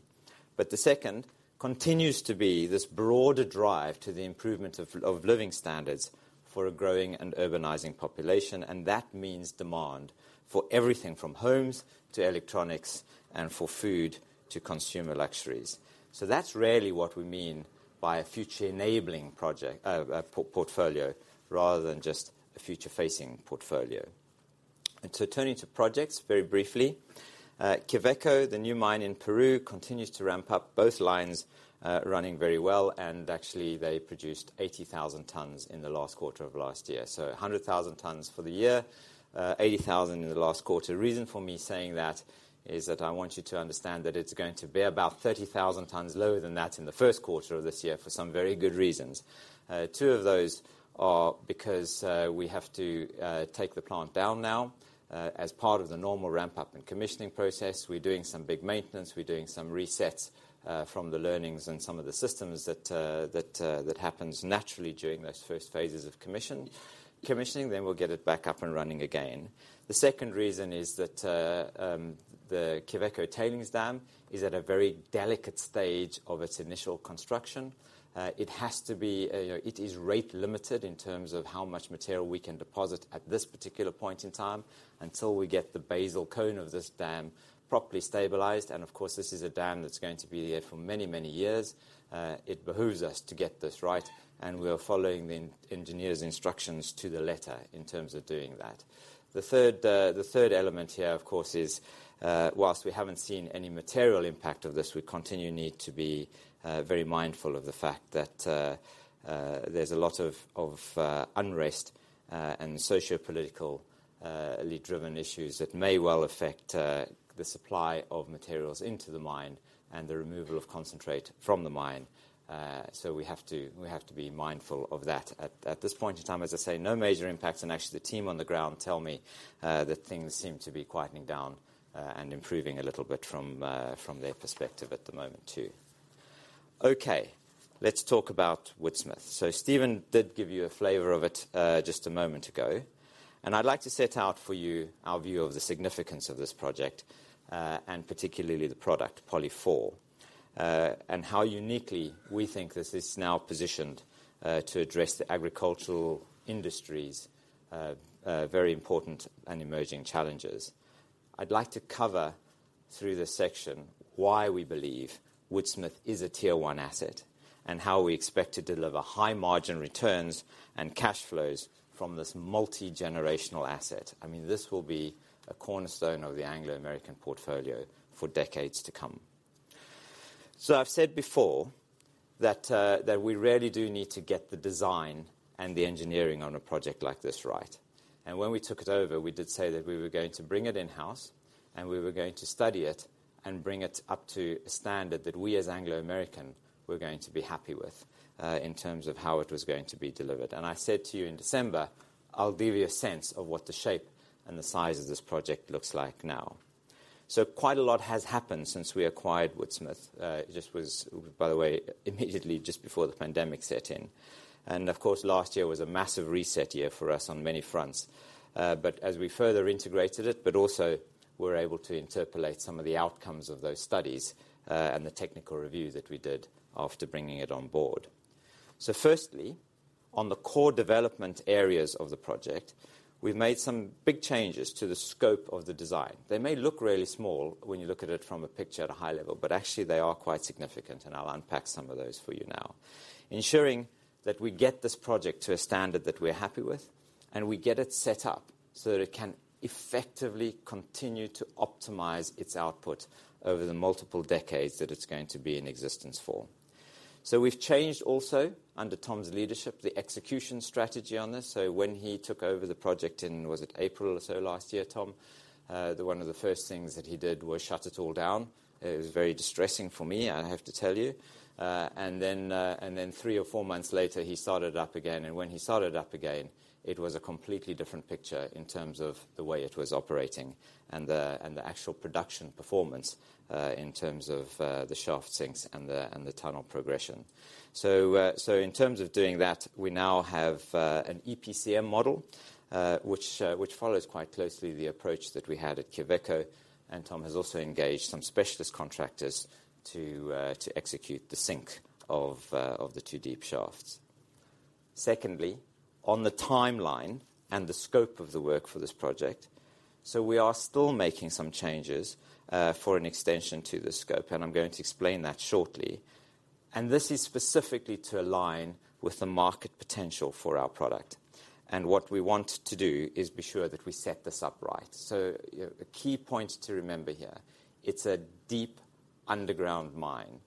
[SPEAKER 2] The second continues to be this broader drive to the improvement of living standards for a growing and urbanizing population, and that means demand for everything from homes to electronics and for food to consumer luxuries. That's really what we mean by a future-enabling portfolio rather than just a future-facing portfolio. Turning to projects very briefly, Quellaveco, the new mine in Peru, continues to ramp up both lines, running very well, and actually they produced 80,000 tons in the last quarter of last year. A hundred thousand tons for the year, 80,000 in the last quarter. Reason for me saying that is that I want you to understand that it's going to be about 30,000 tons lower than that in the first quarter of this year for some very good reasons. Two of those are because we have to take the plant down now as part of the normal ramp-up and commissioning process. We're doing some big maintenance. We're doing some resets from the learnings and some of the systems that happens naturally during those first phases of commissioning. We'll get it back up and running again. The second reason is that the Quellaveco tailings dam is at a very delicate stage of its initial construction. It has to be, you know, it is rate limited in terms of how much material we can deposit at this particular point in time until we get the basal cone of this dam properly stabilized. Of course, this is a dam that's going to be there for many, many years. It behooves us to get this right, and we are following the engineer's instructions to the letter in terms of doing that. The third, the third element here, of course, is, whilst we haven't seen any material impact of this, we continue need to be very mindful of the fact that there's a lot of unrest, and sociopolitical, driven issues that may well affect the supply of materials into the mine and the removal of concentrate from the mine. We have to be mindful of that. At this point in time, as I say, no major impacts, and actually the team on the ground tell me that things seem to be quietening down, and improving a little bit from their perspective at the moment too. Okay. Let's talk about Woodsmith. Stephen did give you a flavor of it, just a moment ago. I'd like to set out for you our view of the significance of this project, and particularly the product POLY4, and how uniquely we think this is now positioned, to address the agricultural industry's very important and emerging challenges. I'd like to cover through this section why we believe Woodsmith is a Tier 1 asset and how we expect to deliver high margin returns and cash flows from this multi-generational asset. I mean, this will be a cornerstone of the Anglo American portfolio for decades to come. I've said before that we really do need to get the design and the engineering on a project like this right. When we took it over, we did say that we were going to bring it in-house, and we were going to study it and bring it up to a standard that we as Anglo American were going to be happy with, in terms of how it was going to be delivered. I said to you in December, I'll give you a sense of what the shape and the size of this project looks like now. Quite a lot has happened since we acquired Woodsmith. It just was, by the way, immediately just before the pandemic set in. Of course, last year was a massive reset year for us on many fronts. As we further integrated it, but also we're able to interpolate some of the outcomes of those studies and the technical review that we did after bringing it on board. Firstly, on the core development areas of the project, we've made some big changes to the scope of the design. They may look really small when you look at it from a picture at a high level, but actually, they are quite significant, and I'll unpack some of those for you now. Ensuring that we get this project to a standard that we're happy with, and we get it set up so that it can effectively continue to optimize its output over the multiple decades that it's going to be in existence for. We've changed also, under Tom's leadership, the execution strategy on this. When he took over the project in, was it April or so last year, Tom? The one of the first things that he did was shut it all down. It was very distressing for me, I have to tell you. Then, three or four months later, he started up again. When he started up again, it was a completely different picture in terms of the way it was operating and the, and the actual production performance, in terms of the shaft sinks and the, and the tunnel progression. In terms of doing that, we now have an EPCM model, which follows quite closely the approach that we had at Quellaveco. Tom has also engaged some specialist contractors to execute the sink of the two deep shafts. Secondly, on the timeline and the scope of the work for this project. We are still making some changes for an extension to the scope, and I'm going to explain that shortly. This is specifically to align with the market potential for our product. What we want to do is be sure that we set this up right. You know, a key point to remember here, it's a deep underground mine.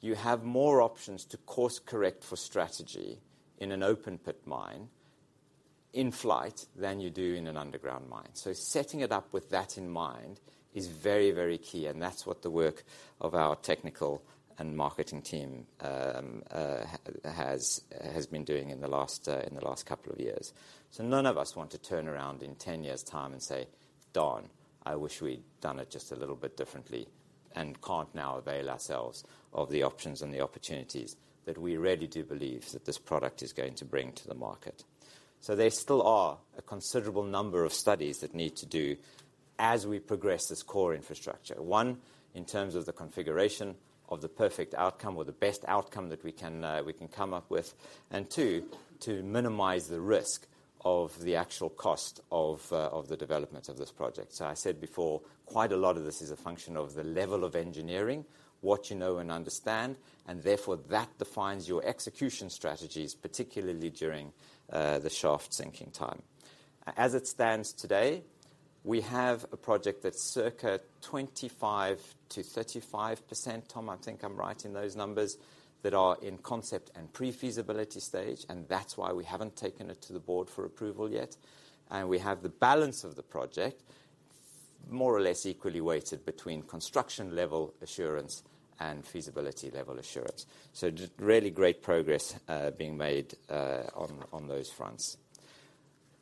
[SPEAKER 2] You have more options to course-correct for strategy in an open-pit mine in flight than you do in an underground mine. Setting it up with that in mind is very, very key, and that's what the work of our technical and marketing team has been doing in the last couple of years. None of us want to turn around in 10 years' time and say, "Don, I wish we'd done it just a little bit differently," and can't now avail ourselves of the options and the opportunities that we really do believe that this product is going to bring to the market. There still are a considerable number of studies that need to do as we progress this core infrastructure. One, in terms of the configuration of the perfect outcome or the best outcome that we can come up with. Two, to minimize the risk of the actual cost of the development of this project. I said before, quite a lot of this is a function of the level of engineering, what you know and understand, and therefore that defines your execution strategies, particularly during the shaft sinking time. As it stands today, we have a project that's circa 25%-35%, Tom, I think I'm right in those numbers, that are in concept and pre-feasibility stage, and that's why we haven't taken it to the board for approval yet. We have the balance of the project more or less equally weighted between construction-level assurance and feasibility-level assurance. really great progress being made on those fronts.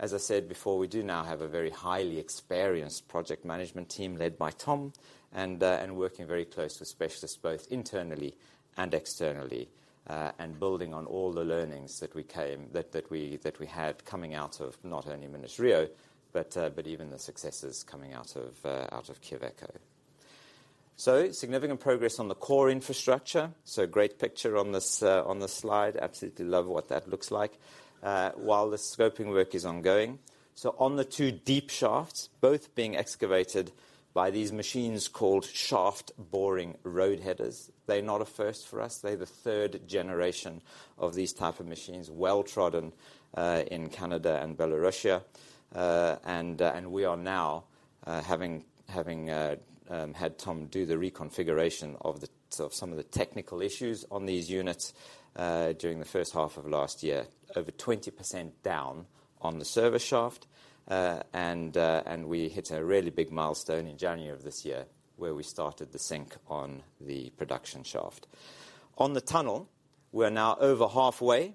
[SPEAKER 2] As I said before, we do now have a very highly experienced project management team led by Tom and working very closely with specialists both internally and externally and building on all the learnings that we had coming out of not only Minas-Rio, but even the successes coming out of Quellaveco. Significant progress on the core infrastructure. Great picture on this on two this slide. Absolutely love what that looks like. While the scoping work is ongoing. On the two deep shafts, both being excavated by these machines called Shaft Boring Roadheaders. They're not a first for us. They're the 3rd generation of these type of machines, well-trodden in Canada and Belarus. We are now having had Tom do the reconfiguration of the, sort of some of the technical issues on these units during the first half of last year. Over 20% down on the server shaft. We hit a really big milestone in January of this year, where we started the sink on the production shaft. On the tunnel, we are now over halfway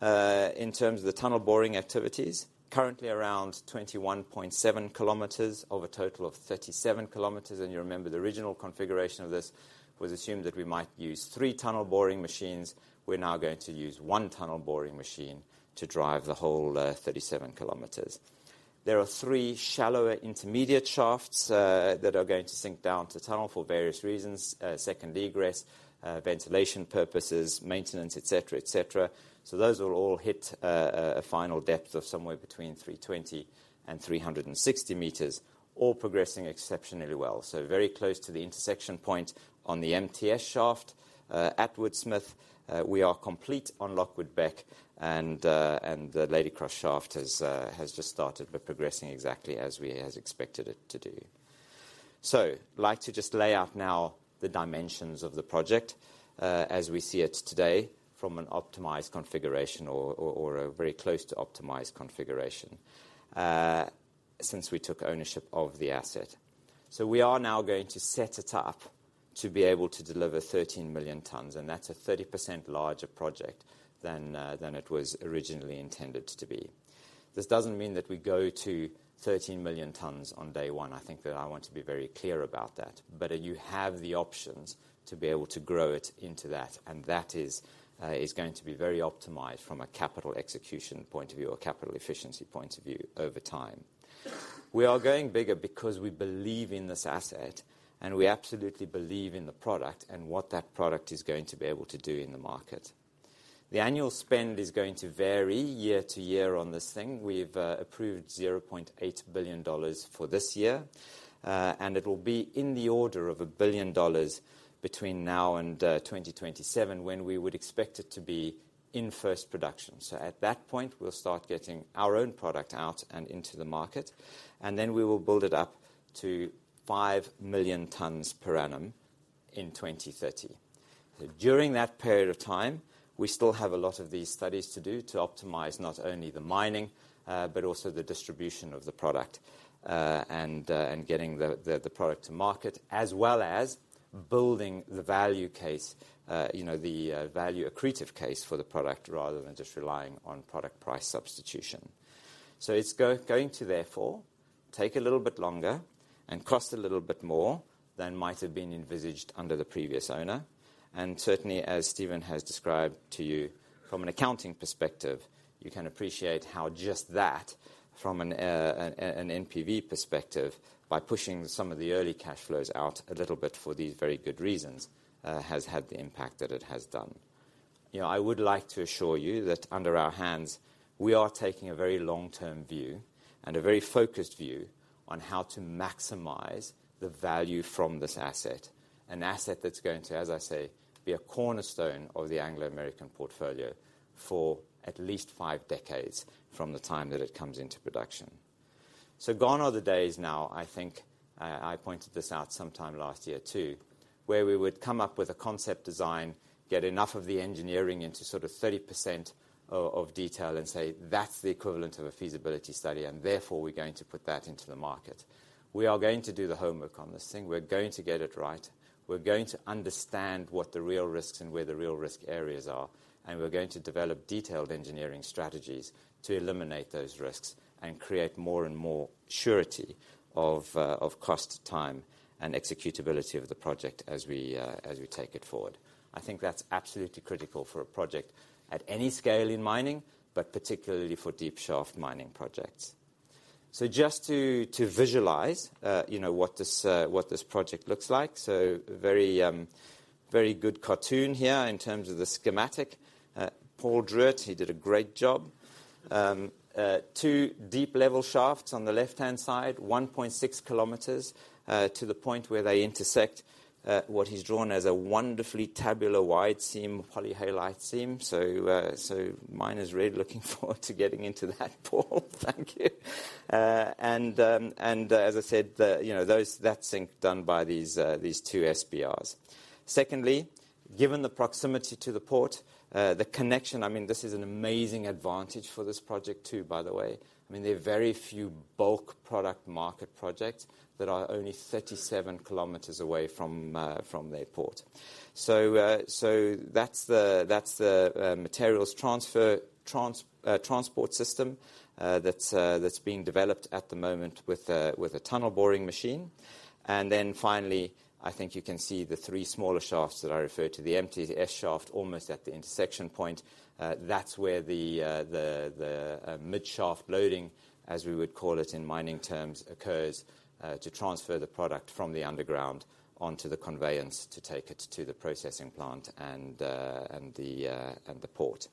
[SPEAKER 2] in terms of the tunnel boring activities. Currently around 21.7 km of a total of 37 km. You remember the original configuration of this was assumed that we might use three tunnel boring machines. We're now going to use one tunnel boring machine to drive the whole 37 km. There are three shallower intermediate shafts that are going to sink down to tunnel for various reasons. Second egress, ventilation purposes, maintenance, et cetera, et cetera. Those will all hit a final depth of somewhere between 320 and 360 m, all progressing exceptionally well. Very close to the intersection point on the MTS shaft. At Woodsmith, we are complete on Lockwood Beck and the Ladycross Shaft has just started, but progressing exactly as expected it to do. Like to just lay out now the dimensions of the project, as we see it today from an optimized configuration or a very close to optimized configuration since we took ownership of the asset. We are now going to set it up to be able to deliver 13 million tons. That's a 30% larger project than it was originally intended to be. This doesn't mean that we go to 13 million tons on day one. I think that I want to be very clear about that. You have the options to be able to grow it into that, and that is going to be very optimized from a capital execution point of view or capital efficiency point of view over time. We are going bigger because we believe in this asset, and we absolutely believe in the product and what that product is going to be able to do in the market. The annual spend is going to vary year to year on this thing. We've approved $0.8 billion for this year, and it will be in the order of $1 billion between now and 2027 when we would expect it to be in first production. At that point, we'll start geting our own product out and into the market, then we will build it up to 5 million tons per annum in 2030. During that period of time, we still have a lot of these studies to do to optimize not only the mining, but also the distribution of the product, and getting the product to market, as well as building the value case, you know, the value accretive case for the product rather than just relying on product price substitution. It's going to therefore take a little bit longer and cost a little bit more than might have been envisaged under the previous owner. Certainly, as Stephen has described to you from an accounting perspective, you can appreciate how just that from an NPV perspective, by pushing some of the early cash flows out a little bit for these very good reasons, has had the impact that it has done. You know, I would like to assure you that under our hands we are taking a very long-term view and a very focused view on how to maximize the value from this asset, an asset that's going to, as I say, be a cornerstone of the Anglo American portfolio for at least five decades from the time that it comes into production. Gone are the days now, I think, I pointed this out sometime last year too, where we would come up with a concept design, get enough of the engineering into sort of 30% of detail and say, "That's the equivalent of a feasibility study, and therefore we're going to put that into the market." We are going to do the homework on this thing. We're going to get it right. We're going to understand what the real risks and where the real risk areas are, and we're going to develop detailed engineering strategies to eliminate those risks and create more and more surety of cost, time, and executability of the project as we take it forward. I think that's absolutely critical for a project at any scale in mining, but particularly for deep shaft mining projects. Just to visualize, you know, what this project looks like. Very good cartoon here in terms of the schematic. Paul Dunne, he did a great job. Two deep-level shafts on the left-hand side, 1.6 km to the point where they intersect what he's drawn as a wonderfully tabular wide seam, polyhalite seam. Mine is really looking forward to getting into that, Paul. Thank you. And as I said, you know, that sink done by these two SBRs. Secondly, given the proximity to the port, the connection, I mean, this is an amazing advantage for this project too, by the way. I mean, there are very few bulk product market projects that are only 37 km away from their port. That's the materials transport system that's being developed at the moment with a tunnel boring machine. Finally, I think you can see the threes maller shafts that I referred to, the MTS shaft, almost at the intersection point. That's where the mid-shaft loading, as we would call it in mining terms, occurs to transfer the product from the underground onto the conveyance to take it to the processing plant and the port.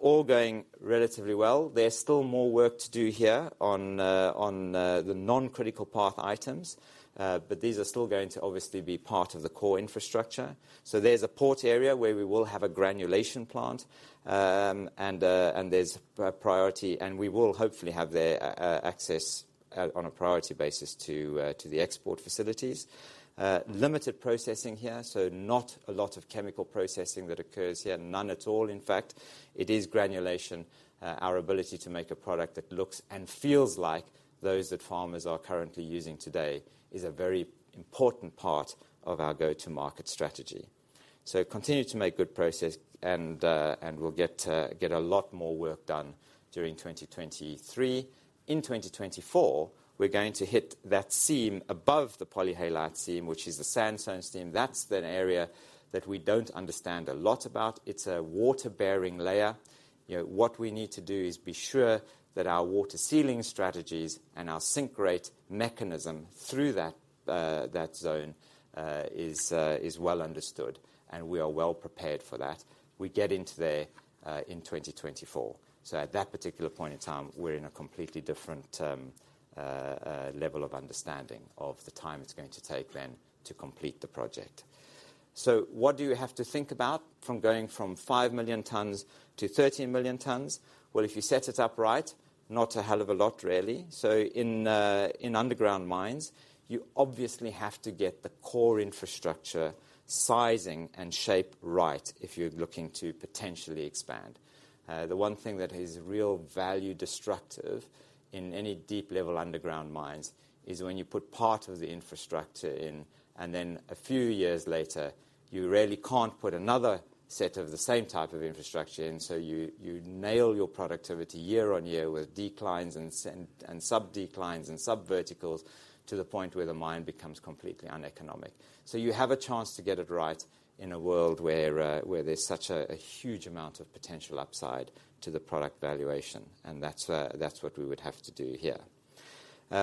[SPEAKER 2] All going relatively well. There's still more work to do here on the non-critical path items, but these are still going to obviously be part of the core infrastructure. There's a port area where we will have a granulation plant, and there's a priority, and we will hopefully have the access out on a priority basis to the export facilities. Limited processing here, so not a lot of chemical processing that occurs here. None at all, in fact. It is granulation. Our ability to make a product that looks and feels like those that farmers are currently using today is a very important part of our go-to-market strategy. Continue to make good process and we'll get a lot more work done during 2023. In 2024, we're going to hit that seam above the Polyhalite seam, which is the sandstone seam. That's an area that we don't understand a lot about. It's a water-bearing layer. You know, what we need is to be sure that our water sealing strategies and our sink rate mechanism through that zone is well understood and we are well prepared for that. We get into there in 2024. At that particular point in time, we're in a completely different level of understanding of the time it's going to take then to complete the project. What do you have to think about from going from 5 million tons-13 million tons? Well, if you set it up right, not a hell of a lot, really. In underground mines, you obviously have to get the core infrastructure sizing and shape right if you're looking to potentially expand. The one thing that is real value destructive in any deep-level underground mines is when you put part of the infrastructure in and then a few years later, you really can't put another set of the same type of infrastructure in. You nail your productivity year on year with declines and sub-declines and subverticals to the point where the mine becomes completely uneconomic. You have a chance to get it right in a world where there's such a huge amount of potential upside to the product valuation, and that's what we would have to do here.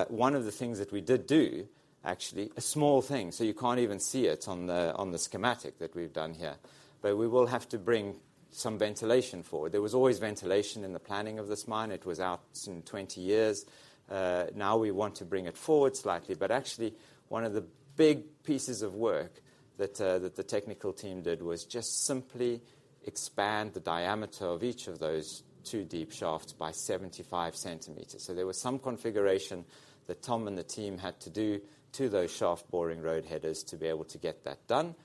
[SPEAKER 2] One of the things that we did do, actually, a small thing, so you can't even see it on the schematic that we've done here, but we will have to bring some ventilation forward. There was always ventilation in the planning of this mine. It was out some 20 years. Now we want to bring it forward slightly. Actually, one of the big pieces of work that the technical team did was just simply expand the diameter of each of those two deep shafts by 75 cm. There was some configuration that Tom and the team had to do to those Shaft Boring Roadheaders to be able to get that done.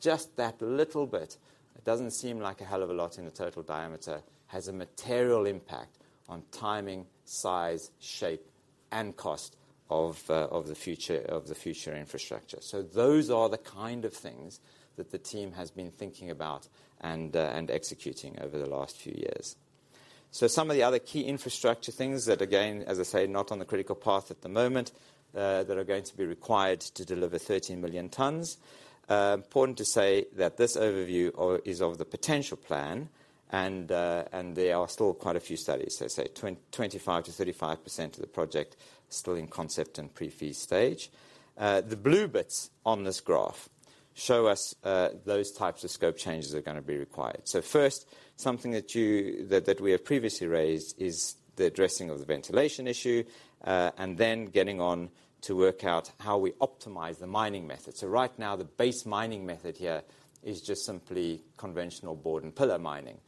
[SPEAKER 2] Just that little bit, it doesn't seem like a hell of a lot in the total diameter, has a material impact on timing, size, shape, and cost of the future infrastructure. Those are the kind of things that the team has been thinking about and executing over the last few years. Some of the other key infrastructure things that, again, as I say, not on the critical path at the moment, that are going to be required to deliver 13 million tons. Important to say that this overview is of the potential plan and there are still quite a few studies. They say 25%-35% of the project still in concept and pre-fee stage. The blue bits on this graph show us those types of scope changes are gonna be required. First, something that we have previously raised is the addressing of the ventilation issue, and then getting on to work out how we optimize the mining method. Right now, the base mining method here is just simply conventional Board and Pillar mining.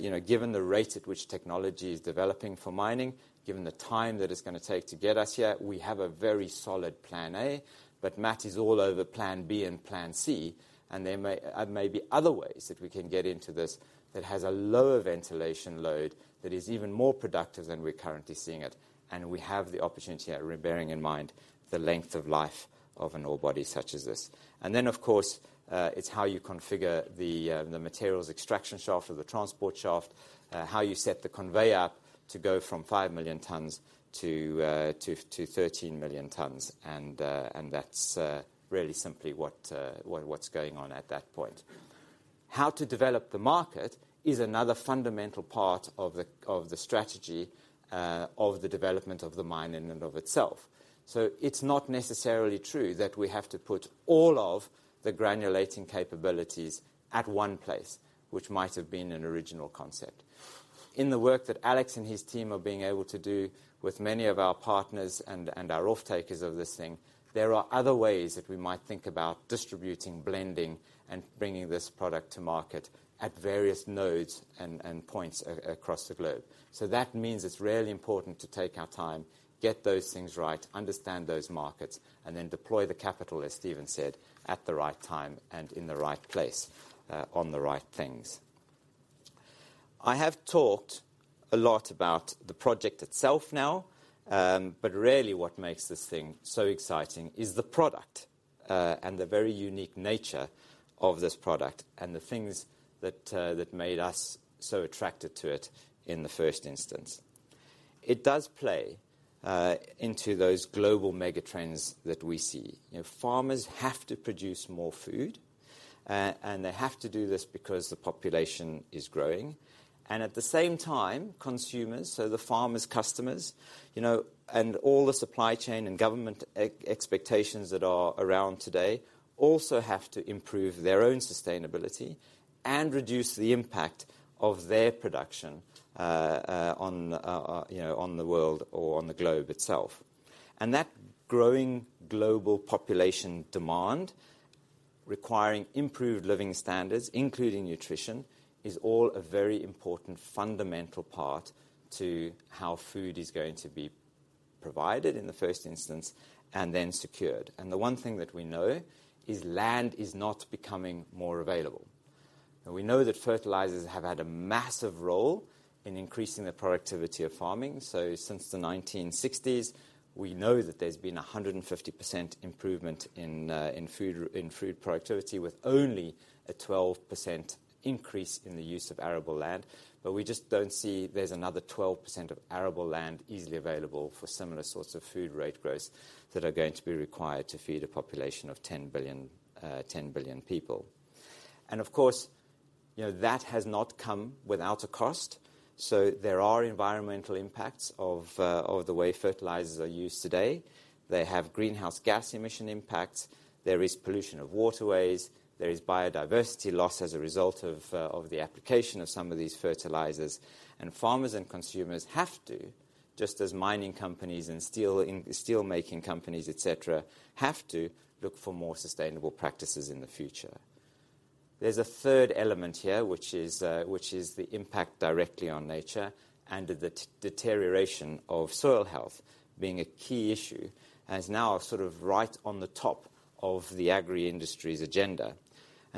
[SPEAKER 2] You know, given the rate at which technology is developing for mining, given the time that it's gonna take to get us here, we have a very solid plan A, but Matt is all over plan B and plan C. There may be other ways that we can get into this that has a lower ventilation load that is even more productive than we're currently seeing it. We have the opportunity here bearing in mind the length of life of an ore body such as this. Of course, it's how you configure the materials extraction shaft or the transport shaft, how you set the conveyor to go from 5 million tons-13 million tons. That's really simply what's going on at that point. How to develop the market is another fundamental part of the, of the strategy, of the development of the mine in and of itself. It's not necessarily true that we have to put all of the granulating capabilities at one place, which might have been an original concept. In the work that Alex and his team are being able to do with many of our partners and our off-takers of this thing, there are other ways that we might think about distributing, blending, and bringing this product to market at various nodes and points across the globe. That means it's really important to take our time, get those things right, understand those markets, and then deploy the capital, as Stephen said, at the right time and in the right place, on the right things. I have talked a lot about the project itself now, but really what makes this thing so exciting is the product and the very unique nature of this product and the things that made us so attracted to it in the first instance. It does play into those global mega trends that we see. You know, farmers have to produce more food, and they have to do this because the population is growing. At the same time, consumers, so the farmers' customers, you know, and all the supply chain and government expectations that are around today also have to improve their own sustainability and reduce the impact of their production on, you know, on the world or on the globe itself. That growing global population demand requiring improved living standards, including nutrition, is all a very important fundamental part to how food is going to be provided in the first instance and then secured. The one thing that we know is land is not becoming more available. We know that fertilizers have had a massive role in increasing the productivity of farming. Since the 1960s, we know that there's been a 150% improvement in food productivity with only a 12% increase in the use of arable land. We just don't see there's another 12% of arable land easily available for similar sorts of food rate growth that are going to be required to feed a population of 10 billion, 10 billion people. Of course, you know, that has not come without a cost. There are environmental impacts of the way fertilizers are used today. They have greenhouse gas emission impacts. There is pollution of waterways. There is biodiversity loss as a result of the application of some of these fertilizers. Farmers and consumers have to, just as mining companies and steelmaking companies, et cetera, have to look for more sustainable practices in the future. There's a third element here, which is the impact directly on nature and the deterioration of soil health being a key issue, and is now sort of right on the top of the agri-industry's agenda. The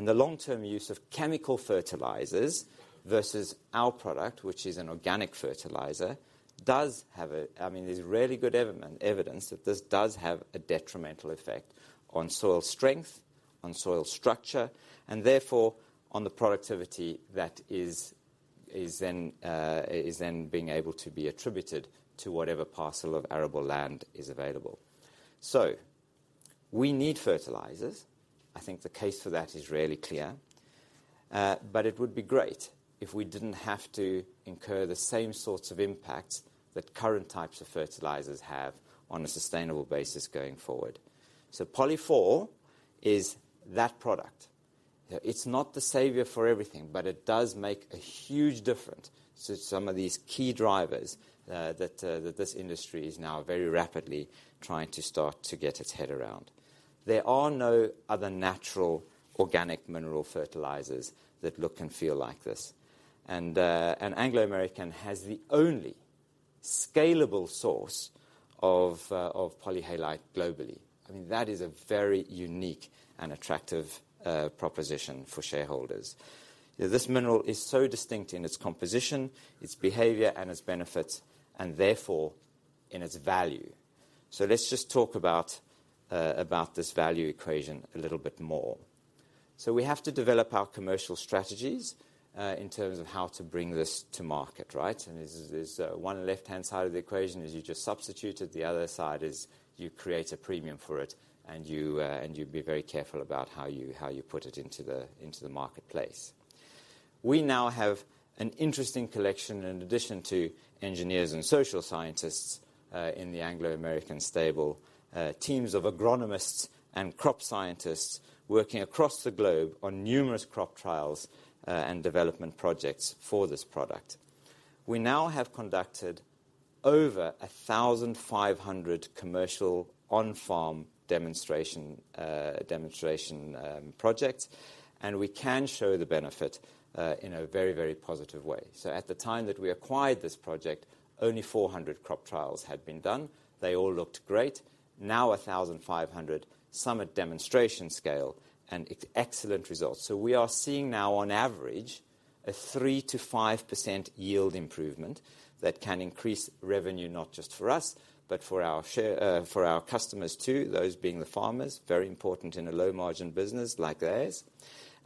[SPEAKER 2] long-term use of chemical fertilizers versus our product, which is an organic fertilizer, does have a... I mean, there's really good evidence that this does have a detrimental effect on soil strength, on soil structure, and therefore, on the productivity that is then being able to be attributed to whatever parcel of arable land is available. We need fertilizers. I think the case for that is really clear. It would be great if we didn't have to incur the same sorts of impacts that current types of fertilizers have on a sustainable basis going forward. POLY4 is that product. It's not the savior for everything, but it does make a huge difference to some of these key drivers that this industry is now very rapidly trying to start to get its head around. There are no other natural organic mineral fertilizers that look and feel like this. Anglo American has the only scalable source of polyhalite globally. I mean, that is a very unique and attractive proposition for shareholders. This mineral is so distinct in its composition, its behavior, and its benefits, and therefore, in its value. Let's just talk about this value equation a little bit more. We have to develop our commercial strategies in terms of how to bring this to market, right? This is, this one left-hand side of the equation is you just substitute it, the other side is you create a premium for it, and you be very careful about how you, how you put it into the, into the marketplace. We now have an interesting collection, in addition to engineers and social scientists, in the Anglo American stable, teams of agronomists and crop scientists working across the globe on numerous crop trials, and development projects for this product. We now have conducted over 1,500 commercial on-farm demonstration projects, and we can show the benefit in a very, very positive way. At the time that we acquired this project, only 400 crop trials had been done. They all looked great. Now 1,500, some at demonstration scale, and excellent results. We are seeing now on average a 3%-5% yield improvement that can increase revenue not just for us, but for our customers too, those being the farmers. Very important in a low margin business like theirs.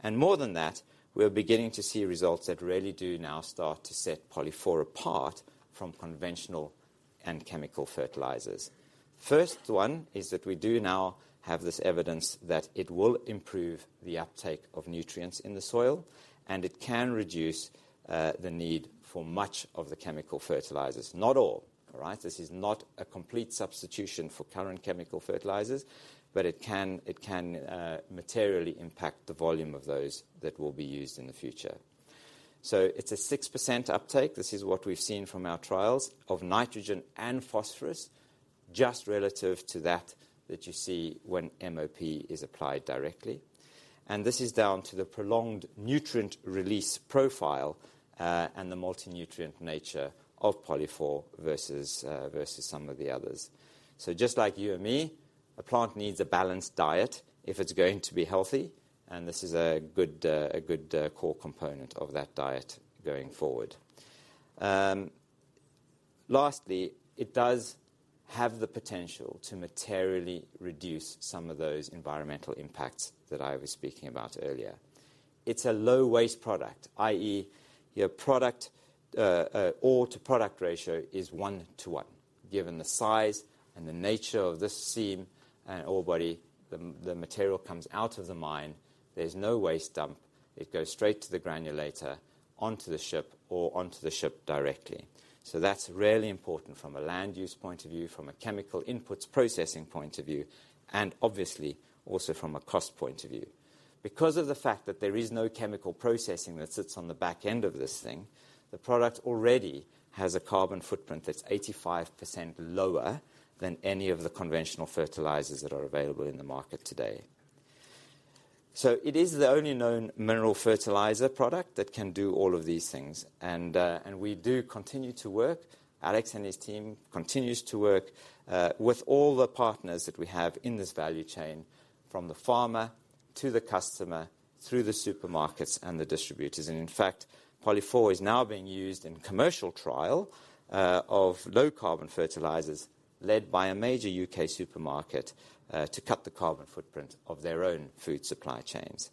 [SPEAKER 2] More than that, we are beginning to see results that really do now start to set POLY4 apart from conventional and chemical fertilizers. First one is that we do now have this evidence that it will improve the uptake of nutrients in the soil, and it can reduce the need for much of the chemical fertilizers. Not all right. This is not a complete substitution for current chemical fertilizers, but it can materially impact the volume of those that will be used in the future. It's a 6% uptake. This is what we've seen from our trials of nitrogen and phosphorus, just relative to that you see when MOP is applied directly. This is down to the prolonged nutrient release profile and the multi-nutrient nature of POLY4 versus some of the others. Just like you and me, a plant needs a balanced diet if it's going to be healthy, and this is a good core component of that diet going forward. Lastly, it does have the potential to materially reduce some of those environmental impacts that I was speaking about earlier. It's a low waste product, i.e., your product, ore to product ratio is 1 to 1, given the size and the nature of this seam and ore body, the material comes out of the mine. There's no waste dump. It goes straight to the granulator, onto the ship or onto the ship directly. That's really important from a land use point of view, from a chemical inputs processing point of view, and obviously, also from a cost point of view. Because of the fact that there is no chemical processing that sits on the back end of this thing, the product already has a carbon footprint that's 85% lower than any of the conventional fertilizers that are available in the market today. It is the only known mineral fertilizer product that can do all of these things. We do continue to work. Alex and his team continues to work with all the partners that we have in this value chain from the farmer to the customer through the supermarkets and the distributors. In fact, POLY4 is now being used in commercial trial of low carbon fertilizers led by a major U.K. supermarket to cut the carbon footprint of their own food supply chains.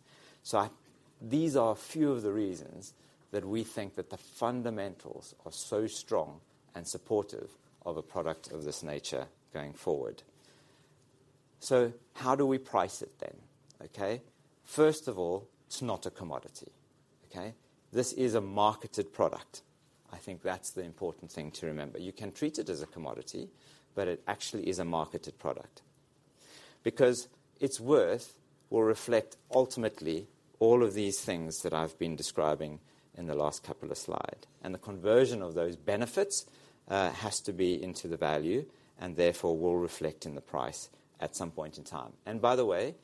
[SPEAKER 2] These are a few of the reasons that we think that the fundamentals are so strong and supportive of a product of this nature going forward. How do we price it then? Okay. First of all, it's not a commodity. Okay? This is a marketed product. I think that's the important thing to remember. You can treat it as a commodity, but it actually is a marketed product. Its worth will reflect ultimately all of these things that I've been describing in the last couple of slide. The conversion of those benefits has to be into the value, and therefore will reflect in the price at some point in time. By the way,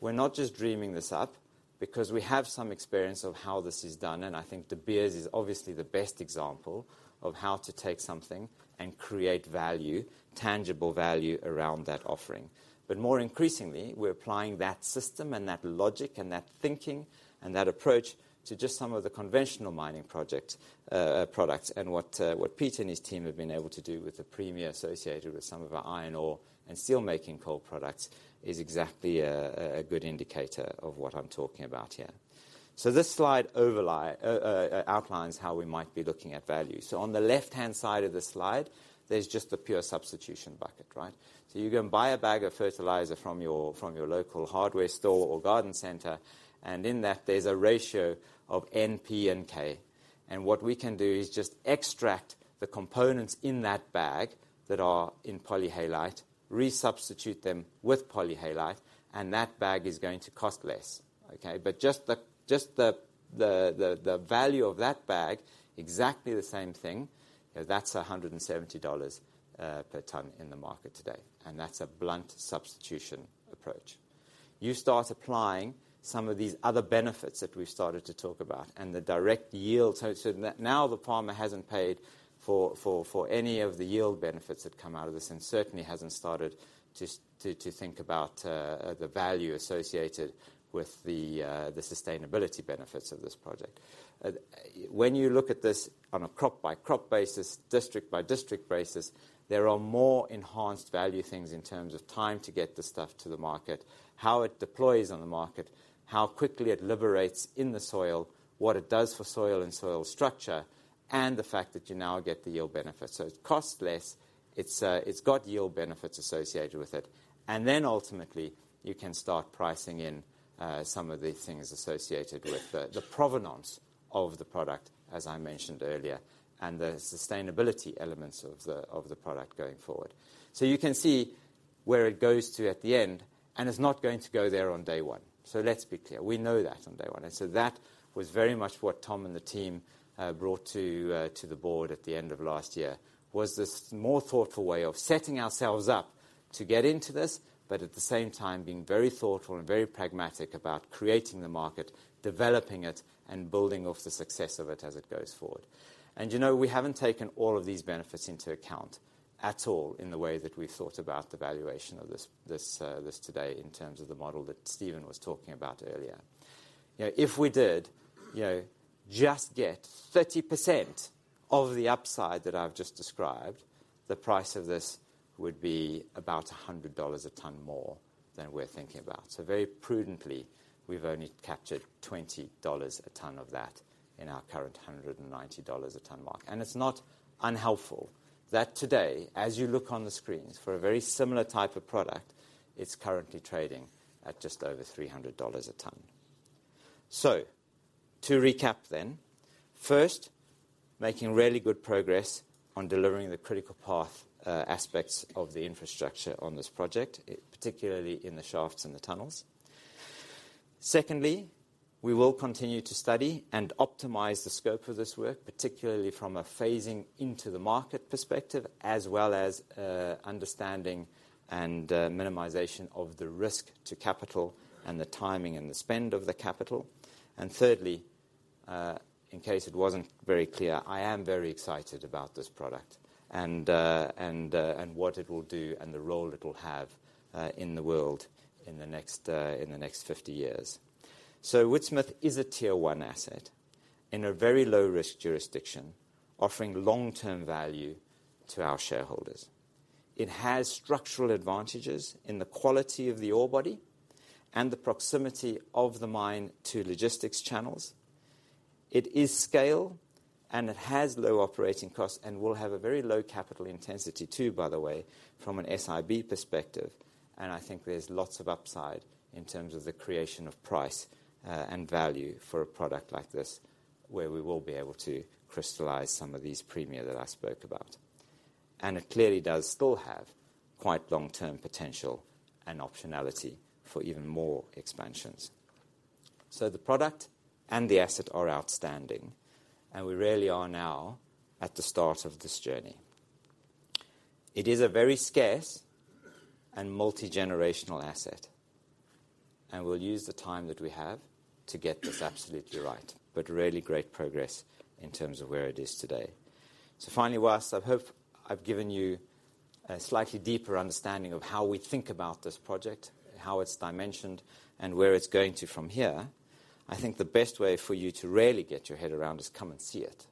[SPEAKER 2] we're not just dreaming this up because we have some experience of how this is done, and I think De Beers is obviously the best example of how to take something and create value, tangible value around that offering. More increasingly, we're applying that system and that logic, and that thinking and that approach to just some of the conventional mining project products. What Pete and his team have been able to do with the premium associated with some of our iron ore and steelmaking coal products is exactly a good indicator of what I'm talking about here. This slide outlines how we might be looking at value. On the left-hand side of the slide, there's just the pure substitution bucket, right? You can buy a bag of fertilizer from your local hardware store or garden center. In that, there's a ratio of N, P, and K. What we can do is just extract the components in that bag that are in polyhalite, resubstitute them with polyhalite, and that bag is going to cost less, okay? Just the value of that bag, exactly the same thing, that's $170 per ton in the market today, and that's a blunt substitution approach. You start applying some of these other benefits that we've started to talk about and the direct yield. Now the farmer hasn't paid for any of the yield benefits that come out of this, certainly hasn't started to think about the value associated with the sustainability benefits of this project. When you look at this on a crop-by-crop basis, district-by-district basis, there are more enhanced value things in terms of time to get the stuff to the market, how it deploys on the market, how quickly it liberates in the soil, what it does for soil and soil structure, and the fact that you now get the yield benefits. It costs less. It's got yield benefits associated with it. Ultimately, you can start pricing in some of the things associated with the provenance of the product, as I mentioned earlier, and the sustainability elements of the product going forward. You can see where it goes to at the end, and it's not going to go there on day one. Let's be clear. We know that on day one. That was very much what Tom and the team brought to the board at the end of last year, was this more thoughtful way of setting ourselves up to get into this, but at the same time being very thoughtful and very pragmatic about creating the market, developing it, and building off the success of it as it goes forward. You know, we haven't taken all of these benefits into account at all in the way that we thought about the valuation of this today in terms of the model that Stephen was talking about earlier. You know, if we did, you know, just get 30% of the upside that I've just described, the price of this would be about $100 a ton more than we're thinking about. Very prudently, we've only captured $20 a ton of that in our current $190 a ton mark. It's not unhelpful that today, as you look on the screens for a very similar type of product, it's currently trading at just over $300 a ton. To recap then, first, making really good progress on delivering the critical path aspects of the infrastructure on this project, particularly in the shafts and the tunnels. Secondly, we will continue to study and optimize the scope of this work, particularly from a phasing into the market perspective, as well as understanding and minimization of the risk to capital and the timing and the spend of the capital. Thirdly, in case it wasn't very clear, I am very excited about this product and what it will do and the role it will have in the world in the next 50 years. Woodsmith is a Tier 1 asset in a very low-risk jurisdiction, offering long-term value to our shareholders. It has structural advantages in the quality of the ore body and the proximity of the mine to logistics channels. It is scale. It has low operating costs and will have a very low capital intensity too, by the way, from an SIB perspective. I think there's lots of upside in terms of the creation of price and value for a product like this, where we will be able to crystallize some of these premium that I spoke about. It clearly does still have quite long-term potential and optionality for even more expansions. The product and the asset are outstanding, and we really are now at the start of this journey. It is a very scarce and multi-generational asset, and we'll use the time that we have to get this absolutely right, but really great progress in terms of where it is today. Finally, whilst I've hope I've given you a slightly deeper understanding of how we think about this project, how it's dimensioned, and where it's going to from here, I think the best way for you to really get your head around is come and see it.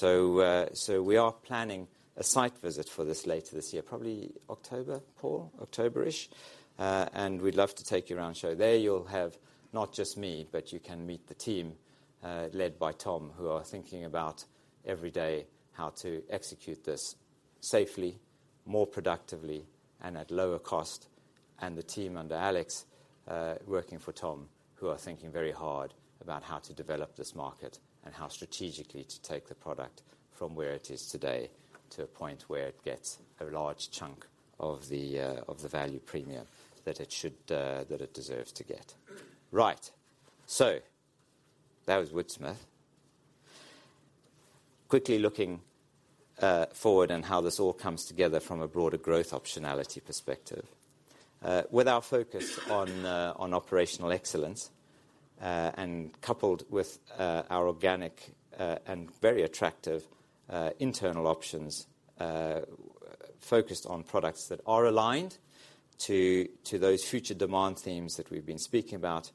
[SPEAKER 2] We are planning a site visit for this later this year, probably October, Paul? October-ish. We'd love to take you around show. There you'll have not just me, but you can meet the team, led by Tom, who are thinking about every day how to execute this safely, more productively, and at lower cost. The team under Alex, working for Tom, who are thinking very hard about how to develop this market and how strategically to take the product from where it is today to a point where it gets a large chunk of the value premium that it should, that it deserves to get. Right. That was Woodsmith. Quickly looking forward and how this all comes together from a broader growth optionality perspective. With our focus on operational excellence, and coupled with our organic and very attractive internal options, focused on products that are aligned to those future demand themes that we've been speaking about,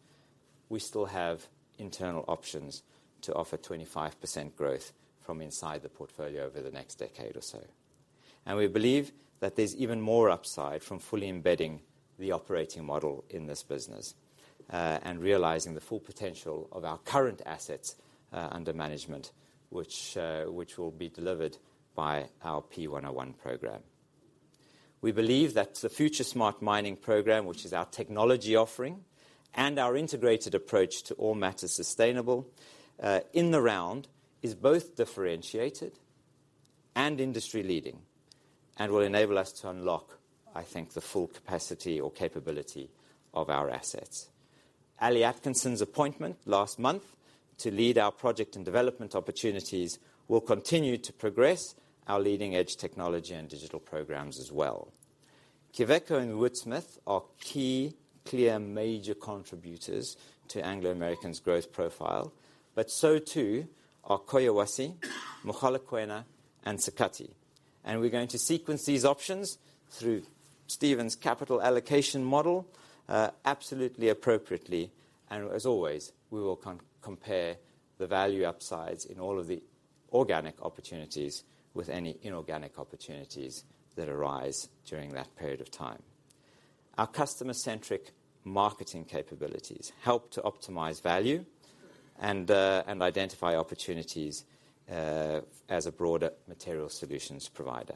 [SPEAKER 2] we still have internal options to offer 25% growth from inside the portfolio over the next decade or so. We believe that there's even more upside from fully embedding the operating model in this business, and realizing the full potential of our current assets under management, which will be delivered by our P101 program. We believe that the FutureSmart Mining program, which is our technology offering and our integrated approach to all matters sustainable in the round, is both differentiated and industry-leading. Will enable us to unlock, I think, the full capacity or capability of our assets. Alun Atkinson's appointment last month to lead our project and development opportunities will continue to progress our leading-edge technology and digital programs as well. Quellaveco and Woodsmith are key, clear major contributors to Anglo American's growth profile, so too are Collahuasi, Mogalakwena, and Sakatti. We're going to sequence these options through Stephen's capital allocation model, absolutely appropriately. As always, we will compare the value upsides in all of the organic opportunities with any inorganic opportunities that arise during that period of time. Our customer-centric marketing capabilities help to optimize value and identify opportunities as a broader material solutions provider.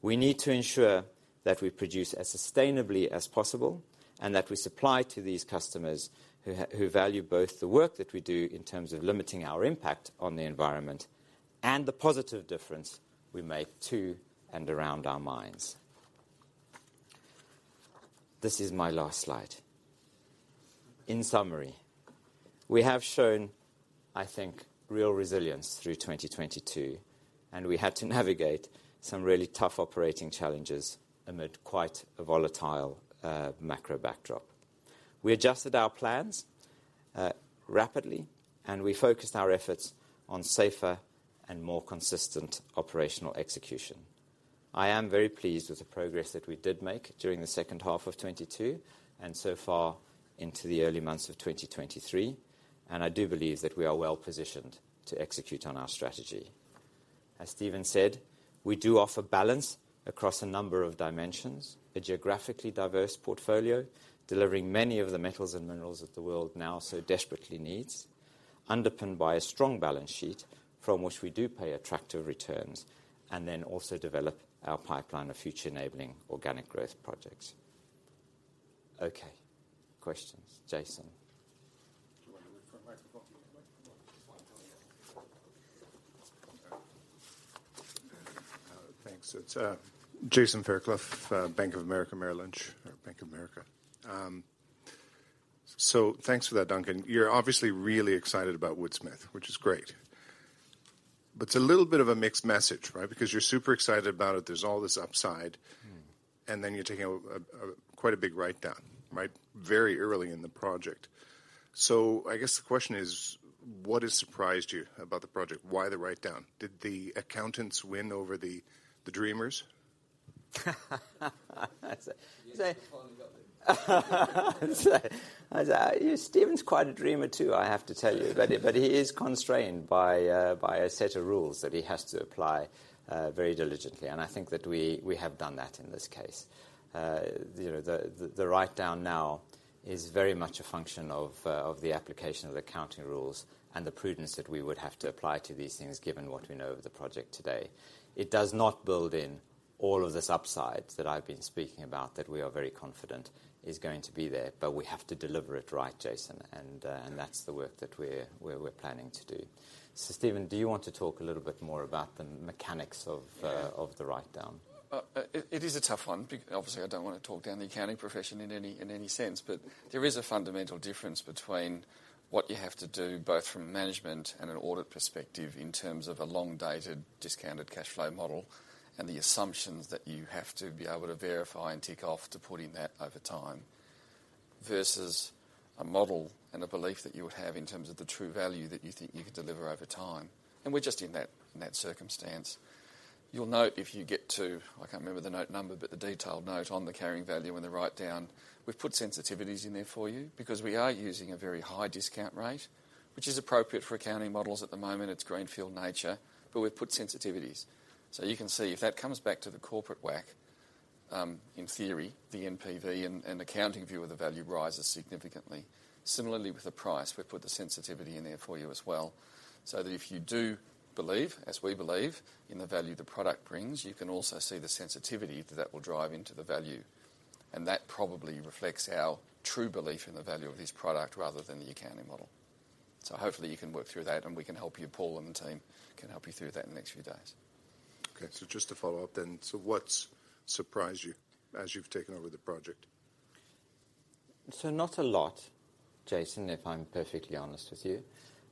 [SPEAKER 2] We need to ensure that we produce as sustainably as possible, and that we supply to these customers who value both the work that we do in terms of limiting our impact on the environment and the positive difference we make to and around our mines. This is my last slide. In summary, we have shown, I think, real resilience through 2022. We had to navigate some really tough operating challenges amid quite a volatile macro backdrop. We adjusted our plans rapidly, and we focused our efforts on safer and more consistent operational execution. I am very pleased with the progress that we did make during the second half of 22 and so far into the early months of 2023. I do believe that we are well-positioned to execute on our strategy. As Stephen said, we do offer balance across a number of dimensions, a geographically diverse portfolio, delivering many of the metals and minerals that the world now so desperately needs, underpinned by a strong balance sheet from which we do pay attractive returns and then also develop our pipeline of future enabling organic growth projects. Okay. Questions. Jason.
[SPEAKER 4] Do you want to wait for a microphone?
[SPEAKER 2] What?
[SPEAKER 4] Just want to
[SPEAKER 5] Thanks. It's Jason Fairclough, Bank of America Merrill Lynch, or Bank of America. Thanks for that, Duncan. You're obviously really excited about Woodsmith, which is great. It's a little bit of a mixed message, right? You're super excited about it. There's all this upside. You're taking a quite a big write-down, right, very early in the project. I guess the question is, what has surprised you about the project? Why the write-down? Did the accountants win over the dreamers?
[SPEAKER 2] I'd say.
[SPEAKER 4] You call the government.
[SPEAKER 2] I'd say, Stephen's quite a dreamer, too, I have to tell you. He is constrained by a set of rules that he has to apply very diligently. I think that we have done that in this case. You know, the write-down now is very much a function of the application of accounting rules and the prudence that we would have to apply to these things, given what we know of the project today. It does not build in all of the upsides that I've been speaking about that we are very confident is going to be there. We have to deliver it right, Jason, and that's the work that we're planning to do. Stephen, do you want to talk a little bit more about the mechanics of? of the write-down?
[SPEAKER 3] It is a tough one. Obviously, I don't wanna talk down the accounting profession in any sense. There is a fundamental difference between what you have to do, both from a management and an audit perspective, in terms of a long-dated discounted cash flow model and the assumptions that you have to be able to verify and tick off to put in that over time. Versus a model and a belief that you would have in terms of the true value that you think you could deliver over time, we're just in that circumstance. You'll note if you get to... I can't remember the note number, but the detailed note on the carrying value and the write-down, we've put sensitivities in there for you because we are using a very high discount rate, which is appropriate for accounting models at the moment. It's greenfield nature, but we've put sensitivities. You can see if that comes back to the corporate WACC, in theory, the NPV and accounting view of the value rises significantly. Similarly with the price, we've put the sensitivity in there for you as well, so that if you do believe, as we believe, in the value the product brings, you can also see the sensitivity that that will drive into the value. That probably reflects our true belief in the value of this product rather than the accounting model. Hopefully you can work through that and we can help you. Paul and the team can help you through that in the next few days.
[SPEAKER 5] Okay. Just to follow up. What's surprised you as you've taken over the project?
[SPEAKER 2] Not a lot, Jason, if I'm perfectly honest with you.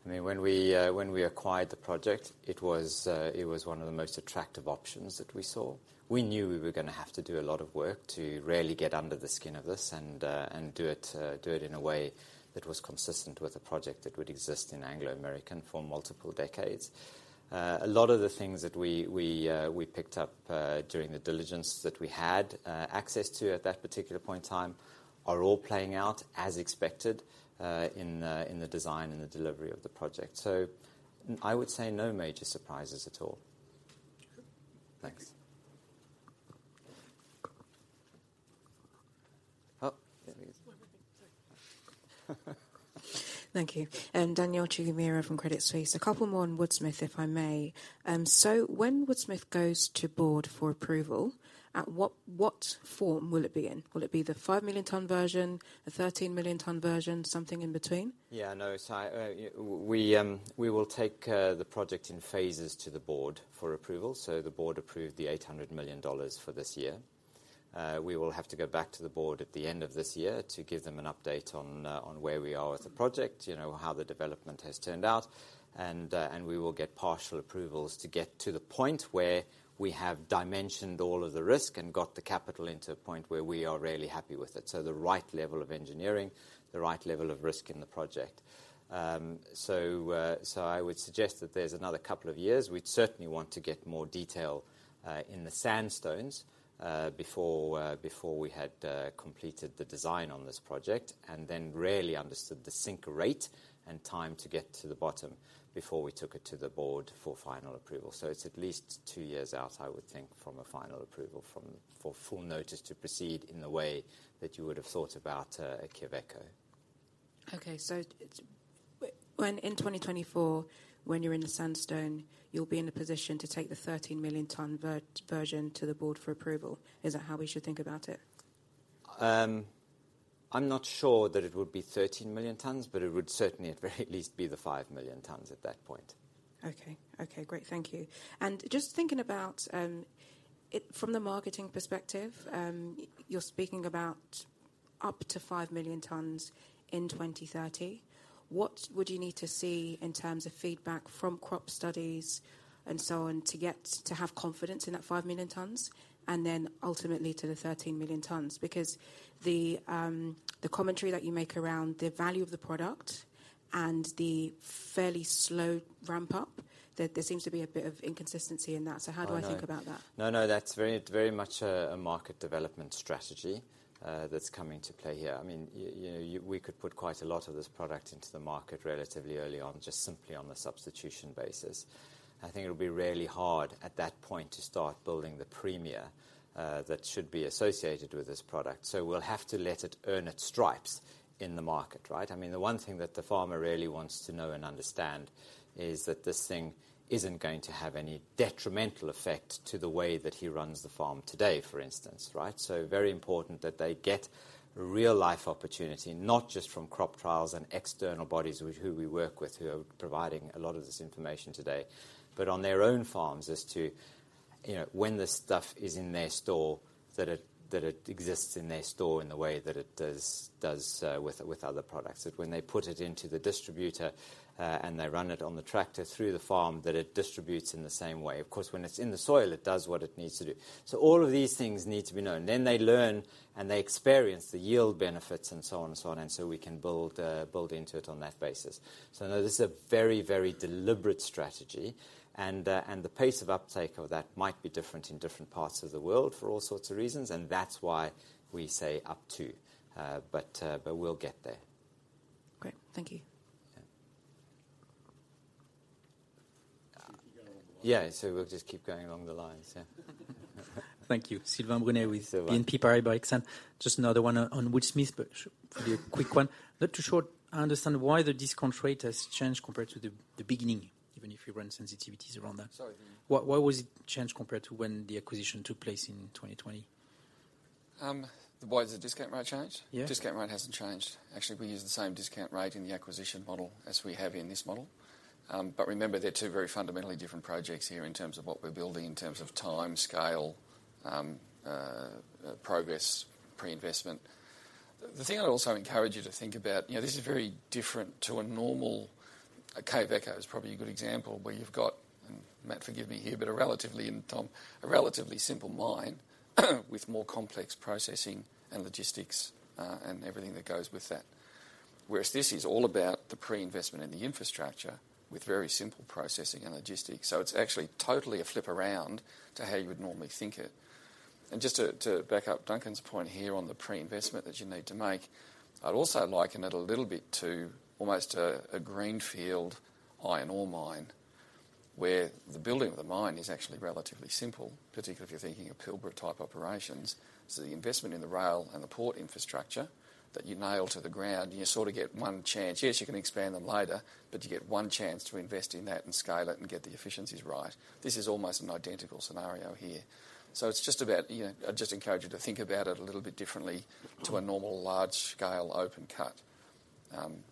[SPEAKER 2] I mean, when we, when we acquired the project, it was, it was one of the most attractive options that we saw. We knew we were gonna have to do a lot of work to really get under the skin of this and do it, do it in a way that was consistent with a project that would exist in Anglo American for multiple decades. A lot of the things that we, we picked up, during the diligence that we had, access to at that particular point in time are all playing out as expected, in the, in the design and the delivery of the project. I would say no major surprises at all. Thanks. Oh, there he is.
[SPEAKER 6] Thank you. Danielle Chigumira from Credit Suisse. A couple more on Woodsmith, if I may. When Woodsmith goes to Board for approval, at what form will it be in? Will it be the 5 million ton version, the 13 million ton version, something in between?
[SPEAKER 2] Yeah, no. We will take the project in phases to the board for approval. The board approved the $800 million for this year. We will have to go back to the board at the end of this year to give them an update on where we are with the project, you know, how the development has turned out. We will get partial approvals to get to the point where we have dimensioned all of the risk and got the capital into a point where we are really happy with it. The right level of engineering, the right level of risk in the project. I would suggest that there's another couple of years. We'd certainly want to get more detail in the sandstones before we had completed the design on this project, and then really understood the sink rate and time to get to the bottom before we took it to the board for final approval. It's at least two years out, I would think, from a final approval for full notice to proceed in the way that you would have thought about at Quellaveco.
[SPEAKER 6] When in 2024, when you're in the sandstone, you'll be in a position to take the 13 million ton version to the board for approval. Is that how we should think about it?
[SPEAKER 2] I'm not sure that it would be 13 million tons, but it would certainly at very least be the 5 million tons at that point.
[SPEAKER 6] Okay. Okay, great. Thank you. Just thinking about it from the marketing perspective, you're speaking about up to 5 million tons in 2030. What would you need to see in terms of feedback from crop studies and so on to get to have confidence in that 5 million tons and then ultimately to the 13 million tons? The commentary that you make around the value of the product and the fairly slow ramp up, there seems to be a bit of inconsistency in that.
[SPEAKER 2] Oh, no.
[SPEAKER 6] How do I think about that?
[SPEAKER 2] No, no, that's very, very much a market development strategy that's coming to play here. I mean, you know, we could put quite a lot of this product into the market relatively early on, just simply on the substitution basis. I think it'll be really hard at that point to start building the premier that should be associated with this product. We'll have to let it earn its stripes in the market, right? I mean, the one thing that the farmer really wants to know and understand is that this thing isn't going to have any detrimental effect to the way that he runs the farm today, for instance, right? Very important that they get real life opportunity, not just from crop trials and external bodies with who we work with, who are providing a lot of this information today. On their own farms as to, you know, when this stuff is in their store, that it exists in their store in the way that it does with other products. When they put it into the distributor, and they run it on the tractor through the farm, that it distributes in the same way. Of course, when it's in the soil, it does what it needs to do. All of these things need to be known. They learn, and they experience the yield benefits and so on and so on, and so we can build into it on that basis. No, this is a very, very deliberate strategy. The pace of uptake of that might be different in different parts of the world for all sorts of reasons, and that's why we say up to. We'll get there.
[SPEAKER 6] Great. Thank you.
[SPEAKER 2] Yeah. We'll just keep going along the lines, yeah.
[SPEAKER 7] Thank you. Sylvain Brunet.
[SPEAKER 2] Sylvain
[SPEAKER 7] BNP Paribas Exane. Just another one on Woodsmith. A quick one. Not too sure I understand why the discount rate has changed compared to the beginning, even if you run sensitivities around that?
[SPEAKER 2] Sorry.
[SPEAKER 7] Why was it changed compared to when the acquisition took place in 2020?
[SPEAKER 2] Why has the discount rate changed?
[SPEAKER 7] Yeah.
[SPEAKER 2] Discount rate hasn't changed. Actually, we use the same discount rate in the acquisition model as we have in this model. Remember, they're two very fundamentally different projects here in terms of what we're building in terms of time, scale, progress, pre-investment. The thing I'd also encourage you to think about, you know, this is very different to a normal... Quellaveco is probably a good example where you've got, and Matt, forgive me here, but a relatively, and Tom, a relatively simple mine with more complex processing and logistics, and everything that goes with that. Whereas this is all about the pre-investment and the infrastructure with very simple processing and logistics. It's actually totally a flip around to how you would normally think it.
[SPEAKER 8] Just to back up Duncan's point here on the pre-investment that you need to make, I'd also liken it a little bit to almost a greenfield iron ore mine, where the building of the mine is actually relatively simple, particularly if you're thinking of Pilbara type operations. The investment in the rail and the port infrastructure that you nail to the ground, and you sort of get 1 chance. Yes, you can expand them later, but you get 1 chance to invest in that and scale it and get the efficiencies right. This is almost an identical scenario here. It's just about, you know, I'd just encourage you to think about it a little bit differently to a normal large scale open cut.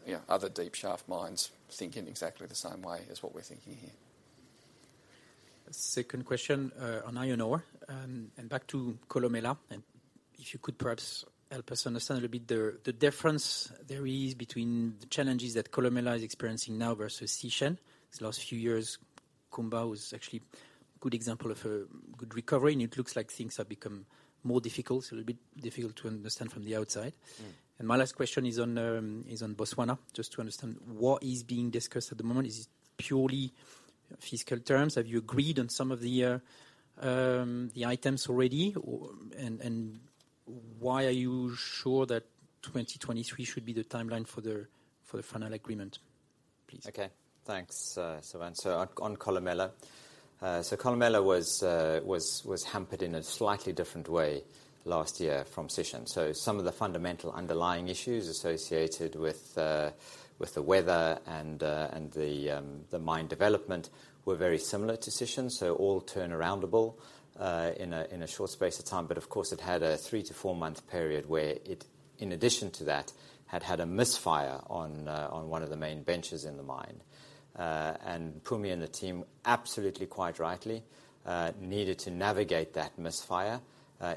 [SPEAKER 8] You know, other deep shaft mines think in exactly the same way as what we're thinking here.
[SPEAKER 7] Second question, on iron ore, and back to Kolomela. If you could perhaps help us understand a bit the difference there is between the challenges that Kolomela is experiencing now versus Sishen. These last few years, Kumba was actually good example of a good recovery, and it looks like things have become more difficult. It's a little bit difficult to understand from the outside. My last question is on Botswana, just to understand what is being discussed at the moment. Is it purely fiscal terms? Have you agreed on some of the items already? Or, and why are you sure that 2023 should be the timeline for the final agreement?
[SPEAKER 2] Okay. Thanks, Sylvain. On Kolomela. Kolomela was hampered in a slightly different way last year from Sishen. Some of the fundamental underlying issues associated with the weather and the mine development were very similar to Sishen, all turn around-able in a short space of time. Of course, it had a three to four-month period where it, in addition to that, had had a misfire on one of the main benches in the mine. Phumi and the team, absolutely quite rightly, needed to navigate that misfire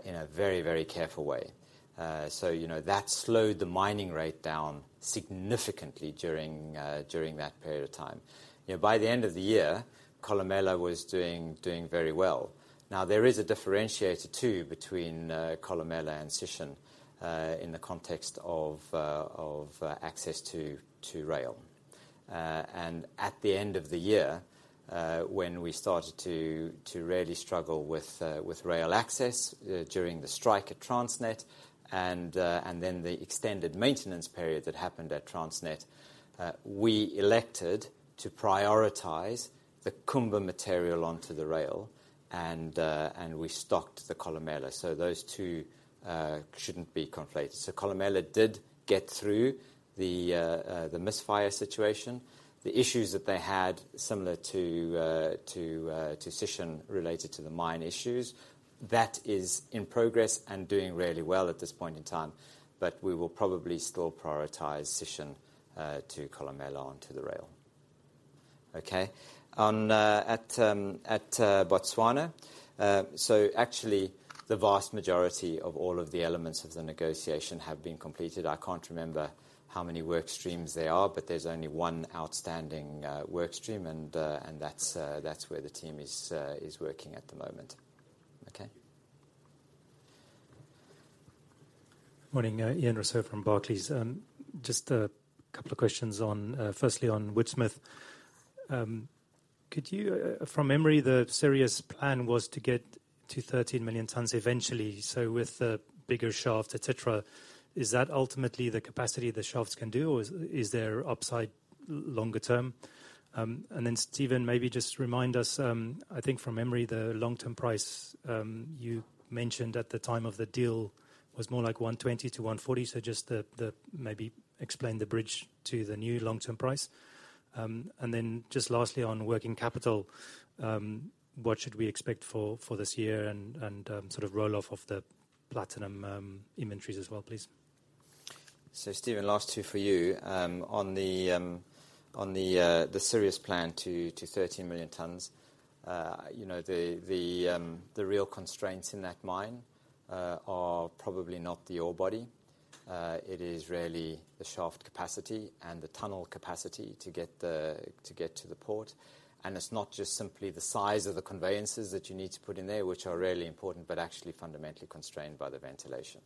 [SPEAKER 2] in a very, very careful way. You know, that slowed the mining rate down significantly during that period of time. You know, by the end of the year, Kolomela was doing very well. Now, there is a differentiator too between Kolomela and Sishen in the context of access to rail. At the end of the year, when we started to really struggle with rail access during the strike at Transnet and then the extended maintenance period that happened at Transnet, we elected to prioritize the Kumba material onto the rail and we stocked the Kolomela. Those two shouldn't be conflated. Kolomela did get through the misfire situation. The issues that they had similar to Sishen related to the mine issues. That is in progress and doing really well at this point in time, but we will probably still prioritize Sishen to Kolomela onto the rail. Okay. On Botswana. Actually the vast majority of all of the elements of the negotiation have been completed. I can't remember how many work streams there are, but there's only one outstanding work stream, and that's where the team is working at the moment. Okay.
[SPEAKER 9] Morning. Ian Rossouw from Barclays. Just a couple of questions on firstly on Woodsmith. From memory, the serious plan was to get to 13 million tons eventually, so with the bigger shaft, et cetera, is that ultimately the capacity the shafts can do, or is there upside longer term? Stephen, maybe just remind us, I think from memory, the long-term price, you mentioned at the time of the deal was more like $120-$140. Just maybe explain the bridge to the new long-term price. Just lastly on working capital, what should we expect for this year and sort of roll-off of the platinum inventories as well, please?
[SPEAKER 2] Stephen, last two for you. On the Sirius plan to 13 million tons, you know, the real constraints in that mine are probably not the ore body. It is really the shaft capacity and the tunnel capacity to get to the port. It's not just simply the size of the conveyances that you need to put in there, which are really important, but actually fundamentally constrained by the ventilation.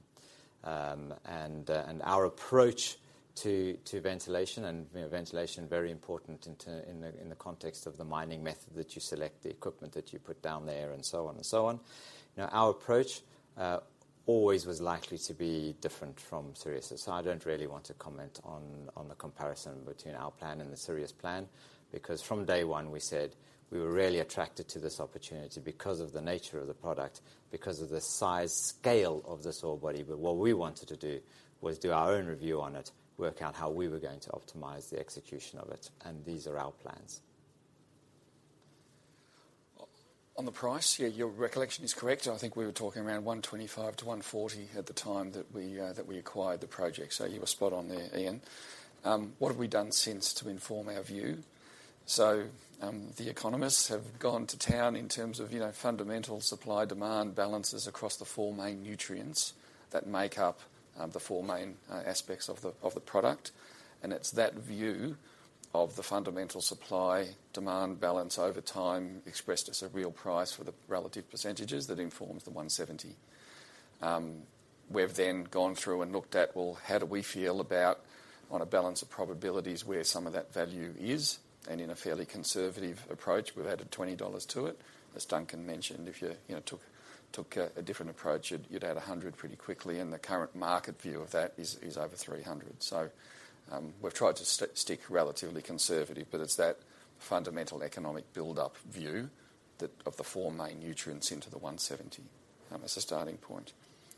[SPEAKER 2] And our approach to ventilation and, you know, ventilation very important in the context of the mining method that you select, the equipment that you put down there and so on and so on. You know, our approach always was likely to be different from Sirius. I don't really want to comment on the comparison between our plan and the Sirius plan, because from day one we said we were really attracted to this opportunity because of the nature of the product, because of the size scale of this ore body. What we wanted to do was do our own review on it, work out how we were going to optimize the execution of it, and these are our plans.
[SPEAKER 3] On the price, yeah, your recollection is correct. I think we were talking around $125-$140 at the time that we acquired the project. You were spot on there, Ian. What have we done since to inform our view? The economists have gone to town in terms of, you know, fundamental supply-demand balances across the four main nutrients that make up the four main aspects of the product. It's that view of the fundamental supply, demand balance over time expressed as a real price for the relative percentages that informs the $170. We've then gone through and looked at, well, how do we feel about on a balance of probabilities where some of that value is? In a fairly conservative approach, we've added $20 to it. As Duncan mentioned, if you know, took a different approach, you'd add 100 pretty quickly, and the current market view of that is over 300. We've tried to stick relatively conservative, but it's that fundamental economic build-up view that of the four main nutrients into the 170 as a starting point.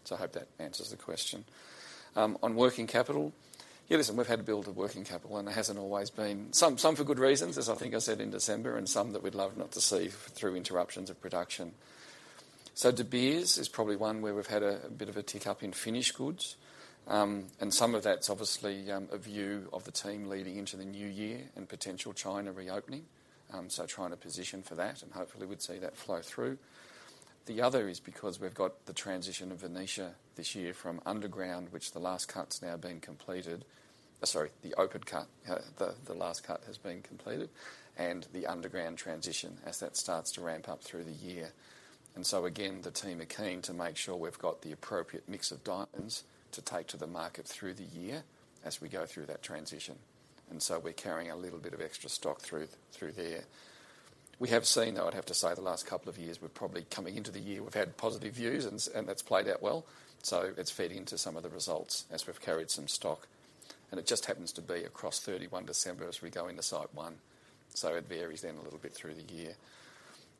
[SPEAKER 3] I hope that answers the question. On working capital. Yeah, listen, we've had to build a working capital, and it hasn't always been. Some for good reasons, as I think I said in December, and some that we'd love not to see through interruptions of production. De Beers is probably one where we've had a bit of a tick-up in finished goods. Some of that's obviously a view of the team leading into the new year and potential China reopening. Trying to position for that. Hopefully we'd see that flow through. The other is because we've got the transition of Venetia this year from underground, which the last cut's now been completed. Sorry, the open cut. The last cut has been completed and the underground transition as that starts to ramp up through the year. Again, the team are keen to make sure we've got the appropriate mix of diamonds to take to the market through the year as we go through that transition. We're carrying a little bit of extra stock through there. We have seen, though I'd have to say the last couple of years, we're probably coming into the year, we've had positive views and that's played out well. It's fed into some of the results as we've carried some stock. It just happens to be across 31 December as we go into site one, so it varies then a little bit through the year.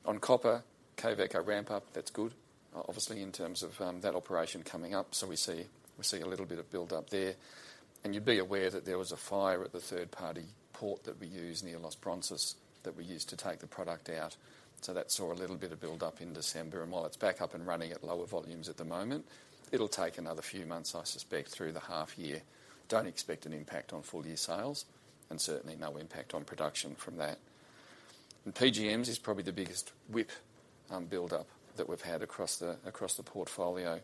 [SPEAKER 3] On copper, Quellaveco ramp up, that's good, obviously, in terms of that operation coming up, so we see a little bit of build up there. You'd be aware that there was a fire at the third-party port that we use near Los Bronces that we use to take the product out. That saw a little bit of build up in December. While it's back up and running at lower volumes at the moment, it'll take another few months, I suspect, through the half year. Don't expect an impact on full year sales and certainly no impact on production from that. PGMs is probably the biggest whip build up that we've had across the portfolio.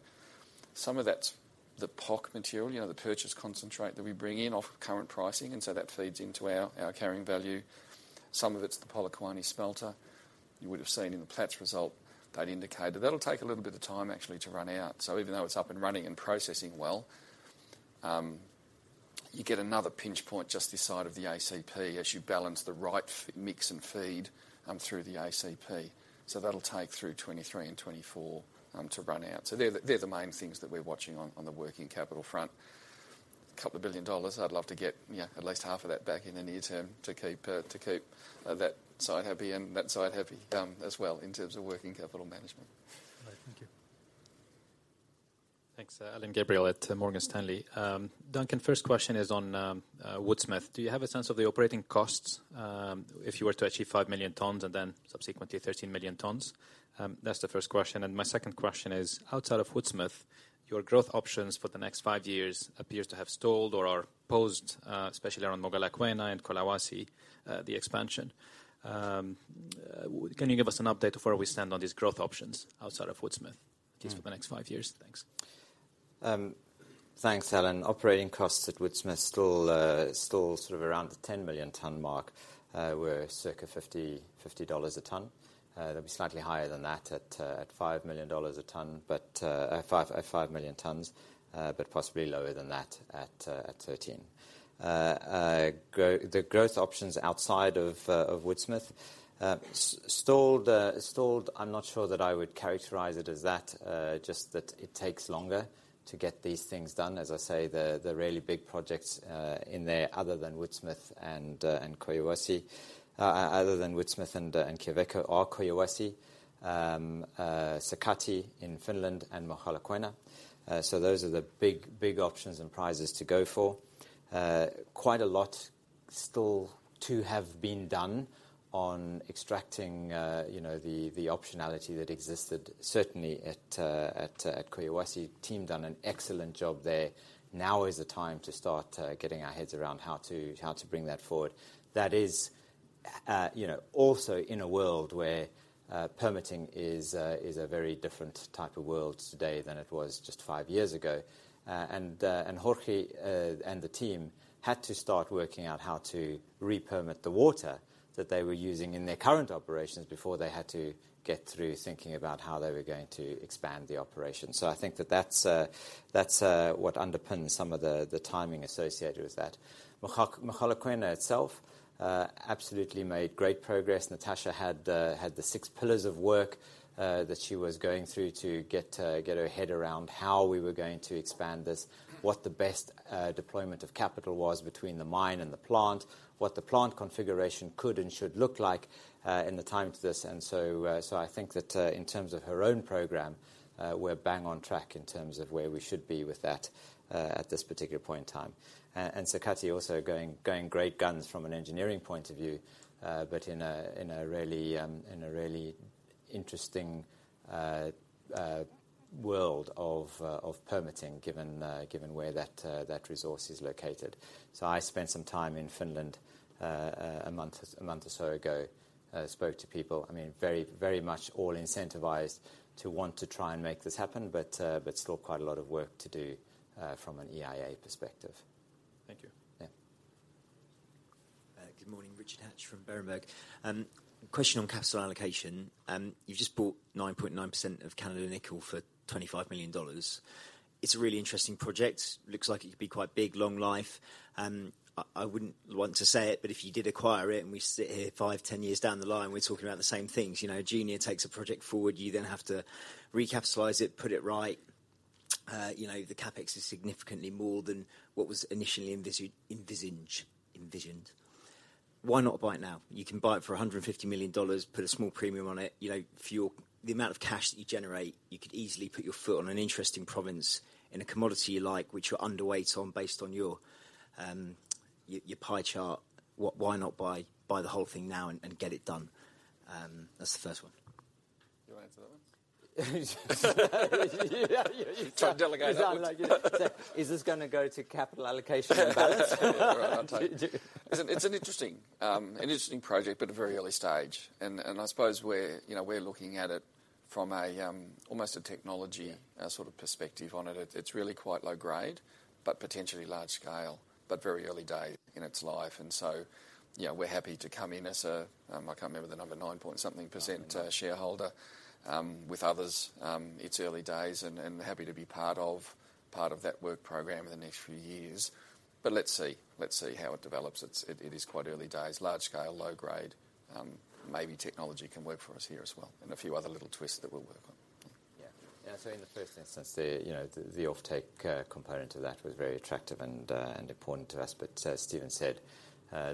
[SPEAKER 3] Some of that's the POC material, you know, the purchase concentrate that we bring in off of current pricing, and so that feeds into our carrying value. Some of it's the Polokwane smelter. You would have seen in the plat result that indicated. That'll take a little bit of time actually to run out. Even though it's up and running and processing well, you get another pinch point just this side of the ACP as you balance the right mix and feed through the ACP. That'll take through 2023 and 2024 to run out. They're the main things that we're watching on the working capital front. Couple of billion dollars, I'd love to get, you know, at least half of that back in the near term to keep that side happy and that side happy as well in terms of working capital management.
[SPEAKER 9] All right. Thank you.
[SPEAKER 10] Thanks. Alain Gabriel at Morgan Stanley. Duncan, first question is on Woodsmith. Do you have a sense of the operating costs, if you were to achieve 5 million tons and then subsequently 13 million tons? That's the first question. My second question is, outside of Woodsmith, your growth options for the next five years appears to have stalled or are paused, especially around Mogalakwena and Collahuasi, the expansion. Can you give us an update of where we stand on these growth options outside of Woodsmith, at least for the next five years? Thanks.
[SPEAKER 2] Thanks, Alain. Operating costs at Woodsmith still sort of around the 10 million ton mark. We're circa $50 a ton. It'll be slightly higher than that at 5 million tons, but possibly lower than that at 13. The growth options outside of Woodsmith, stalled, I'm not sure that I would characterize it as that. Just that it takes longer to get these things done. The really big projects, in there other than Woodsmith and Collahuasi, are Collahuasi, Sakatti in Finland and Mogalakwena. Those are the big, big options and prizes to go for. Quite a lot still to have been done on extracting, you know, the optionality that existed certainly at Collahuasi. Team done an excellent job there. Now is the time to start getting our heads around how to bring that forward. That is, you know, also in a world where permitting is a very different type of world today than it was just five years ago. Jorge and the team had to start working out how to re-permit the water that they were using in their current operations before they had to get through thinking about how they were going to expand the operation. I think that that's that's what underpins some of the timing associated with that. Mogalakwena itself absolutely made great progress. Natasha had the six pillars of work that she was going through to get her head around how we were going to expand this, what the best deployment of capital was between the mine and the plant, what the plant configuration could and should look like in the time to this. I think that in terms of her own program, we're bang on track in terms of where we should be with that at this particular point in time. Sakatti also going great guns from an engineering point of view, but in a really interesting world of permitting, given where that resource is located. I spent some time in Finland, a month or so ago. Spoke to people. I mean, very, very much all incentivized to want to try and make this happen, but still quite a lot of work to do, from an EIA perspective.
[SPEAKER 10] Thank you.
[SPEAKER 2] Yeah.
[SPEAKER 11] Good morning. Richard Hatch from Berenberg. Question on capital allocation. You've just bought 9.9% of Canada Nickel for $25 million. It's a really interesting project. Looks like it could be quite big, long life. I wouldn't want to say it, but if you did acquire it and we sit here five, 10 years down the line, we're talking about the same things. You know, Junior takes a project forward, you then have to recapitalize it, put it right. You know, the CapEx is significantly more than what was initially envisioned. Why not buy it now? You can buy it for $150 million, put a small premium on it. You know, for the amount of cash that you generate, you could easily put your foot on an interesting province in a commodity you like, which you're underweight on based on your pie chart. Why not buy the whole thing now and get it done? That's the first one.
[SPEAKER 2] You wanna answer that one? Try and delegate that one.
[SPEAKER 3] Is this gonna go to capital allocation and balance? All right. I'll take it. It's an interesting project, but a very early stage. I suppose we're, you know, we're looking at it from almost a technology sort of perspective on it. It's really quite low grade, but potentially large scale, but very early day in its life. You know, we're happy to come in as I can't remember the number, 9-point something% shareholder, with others. It's early days and happy to be part of. Part of that work program in the next few years. Let's see, let's see how it develops. It is quite early days. Large-scale, low-grade, maybe technology can work for us here as well, and a few other little twists that we'll work on.
[SPEAKER 2] Yeah. In the first instance, the, you know, the off-take component to that was very attractive and important to us. As Stephen said,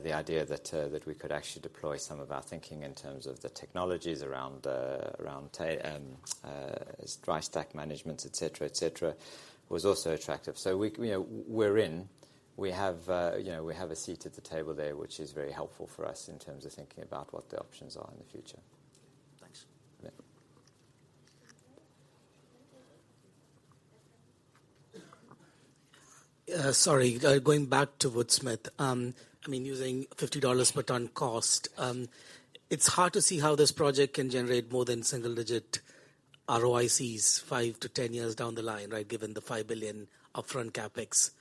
[SPEAKER 2] the idea that we could actually deploy some of our thinking in terms of the technologies around the dry stack management, et cetera, et cetera, was also attractive. We, you know, we're in. We have, you know, we have a seat at the table there, which is very helpful for us in terms of thinking about what the options are in the future.
[SPEAKER 11] Thanks.
[SPEAKER 2] Yeah.
[SPEAKER 12] Sorry. Going back to Woodsmith, I mean, using $50 per ton cost, it's hard to see how this project can generate more than single-digit ROICs 5-10 years down the line, right? Given the $5 billion upfront CapEx.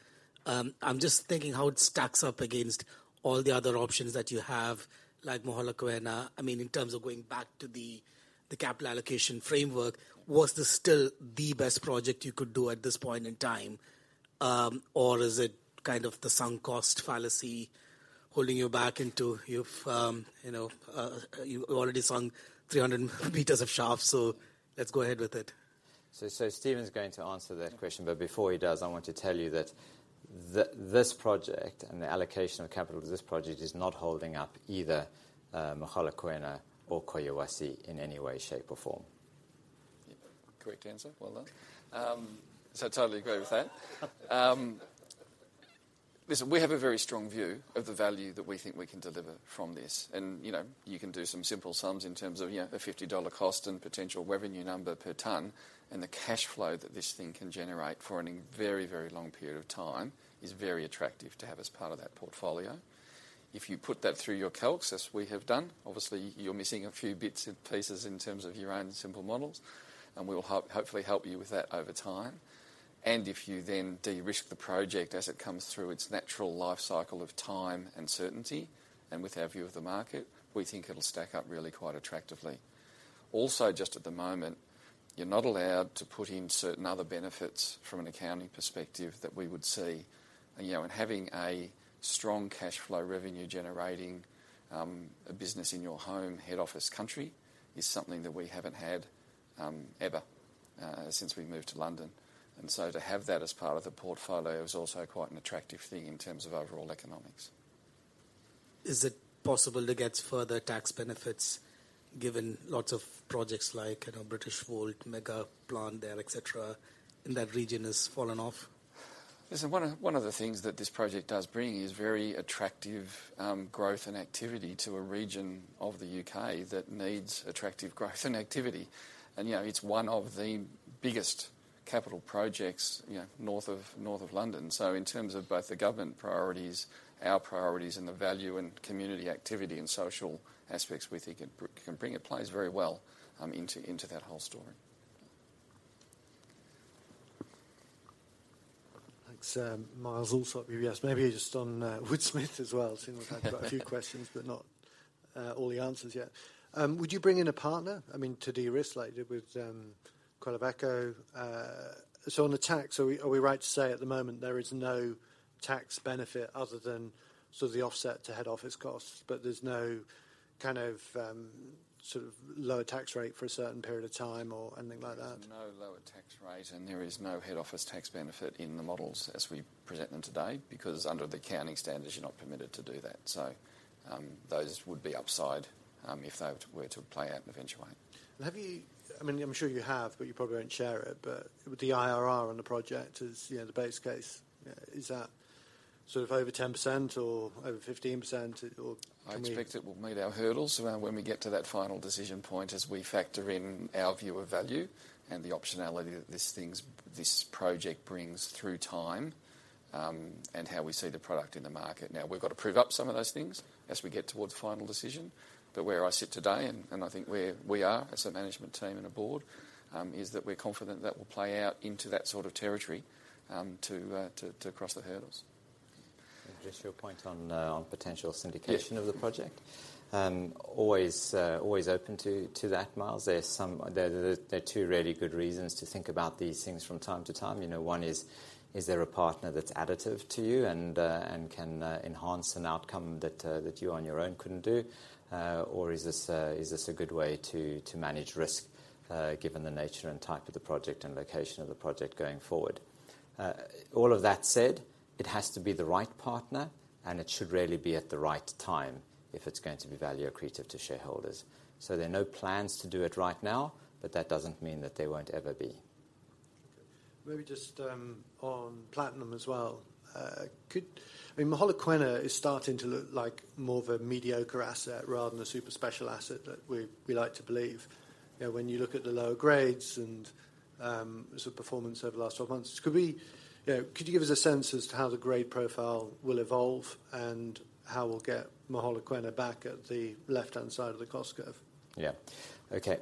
[SPEAKER 12] I'm just thinking how it stacks up against all the other options that you have, like Mogalakwena. I mean, in terms of going back to the capital allocation framework. Was this still the best project you could do at this point in time? Is it kind of the sunk cost fallacy holding you back into you've, you know, you already sunk 300 meters of shaft, so let's go ahead with it?
[SPEAKER 2] Stephen's going to answer that question. Before he does, I want to tell you that this project and the allocation of capital to this project is not holding up either, Mogalakwena or Quellaveco in any way, shape, or form.
[SPEAKER 3] Yeah. Correct answer. Well done. Totally agree with that. Listen, we have a very strong view of the value that we think we can deliver from this. You know, you can do some simple sums in terms of, you know, a $50 cost and potential revenue number per ton. The cash flow that this thing can generate for a very, very long period of time is very attractive to have as part of that portfolio. If you put that through your calcs, as we have done, obviously you're missing a few bits and pieces in terms of your own simple models, and we will hopefully help you with that over time. If you then de-risk the project as it comes through its natural life cycle of time and certainty, with our view of the market, we think it'll stack up really quite attractively. Just at the moment, you're not allowed to put in certain other benefits from an accounting perspective that we would see. You know, having a strong cash flow revenue generating, a business in your home head office country is something that we haven't had ever since we moved to London. To have that as part of the portfolio is also quite an attractive thing in terms of overall economics.
[SPEAKER 12] Is it possible to get further tax benefits given lots of projects like, you know, Britishvolt megaplant there, et cetera, in that region has fallen off?
[SPEAKER 3] Listen, one of the things that this project does bring is very attractive, growth and activity to a region of the U.K. that needs attractive growth and activity. You know, it's one of the biggest capital projects, you know, north of London. In terms of both the government priorities, our priorities and the value and community activity and social aspects, we think it can bring, it plays very well, into that whole story.
[SPEAKER 13] Thanks, Miles. Also a few of you asked, maybe just on Woodsmith as well seeing as I've got a few questions, but not all the answers yet. Would you bring in a partner? I mean, to de-risk like you did with Quellaveco. On the tax, are we right to say at the moment there is no tax benefit other than sort of the offset to head office costs, but there's no kind of sort of lower tax rate for a certain period of time or anything like that?
[SPEAKER 3] There's no lower tax rate, and there is no head office tax benefit in the models as we present them today. Under the accounting standards, you're not permitted to do that. Those would be upside, if they were to play out in eventually.
[SPEAKER 13] I mean, I'm sure you have, but you probably won't share it. With the IRR on the project is, you know, the base case. Is that sort of over 10% or over 15%?
[SPEAKER 3] I expect it will meet our hurdles around when we get to that final decision point, as we factor in our view of value and the optionality that this project brings through time, and how we see the product in the market. We've got to prove up some of those things as we get towards final decision. Where I sit today, and I think where we are as a management team and a board, is that we're confident that will play out into that sort of territory, to cross the hurdles.
[SPEAKER 2] Just your point on potential syndication of the project.
[SPEAKER 3] Yeah.
[SPEAKER 2] Always open to that, Miles. There are two really good reasons to think about these things from time to time. You know, one is there a partner that's additive to you and and can enhance an outcome that that you on your own couldn't do? Or is this is this a good way to manage risk given the nature and type of the project and location of the project going forward? All of that said, it has to be the right partner, and it should really be at the right time if it's going to be value accretive to shareholders. There are no plans to do it right now, but that doesn't mean that there won't ever be.
[SPEAKER 13] Maybe just on platinum as well. I mean, Mogalakwena is starting to look like more of a mediocre asset rather than a super special asset that we like to believe. You know, when you look at the lower grades and sort of performance over the last 12 months. You know, could you give us a sense as to how the grade profile will evolve and how we'll get Mogalakwena back at the left-hand side of the cost curve?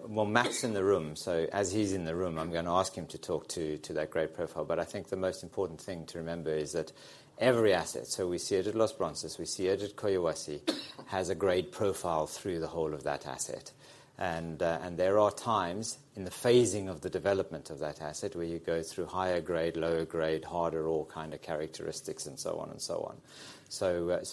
[SPEAKER 2] Matt's in the room, so as he's in the room, I'm gonna ask him to talk to that grade profile. I think the most important thing to remember is that every asset, so we see it at Los Bronces, we see it at Collahuasi, has a grade profile through the whole of that asset. There are times in the phasing of the development of that asset, where you go through higher grade, lower grade, harder ore kind of characteristics and so on and so on.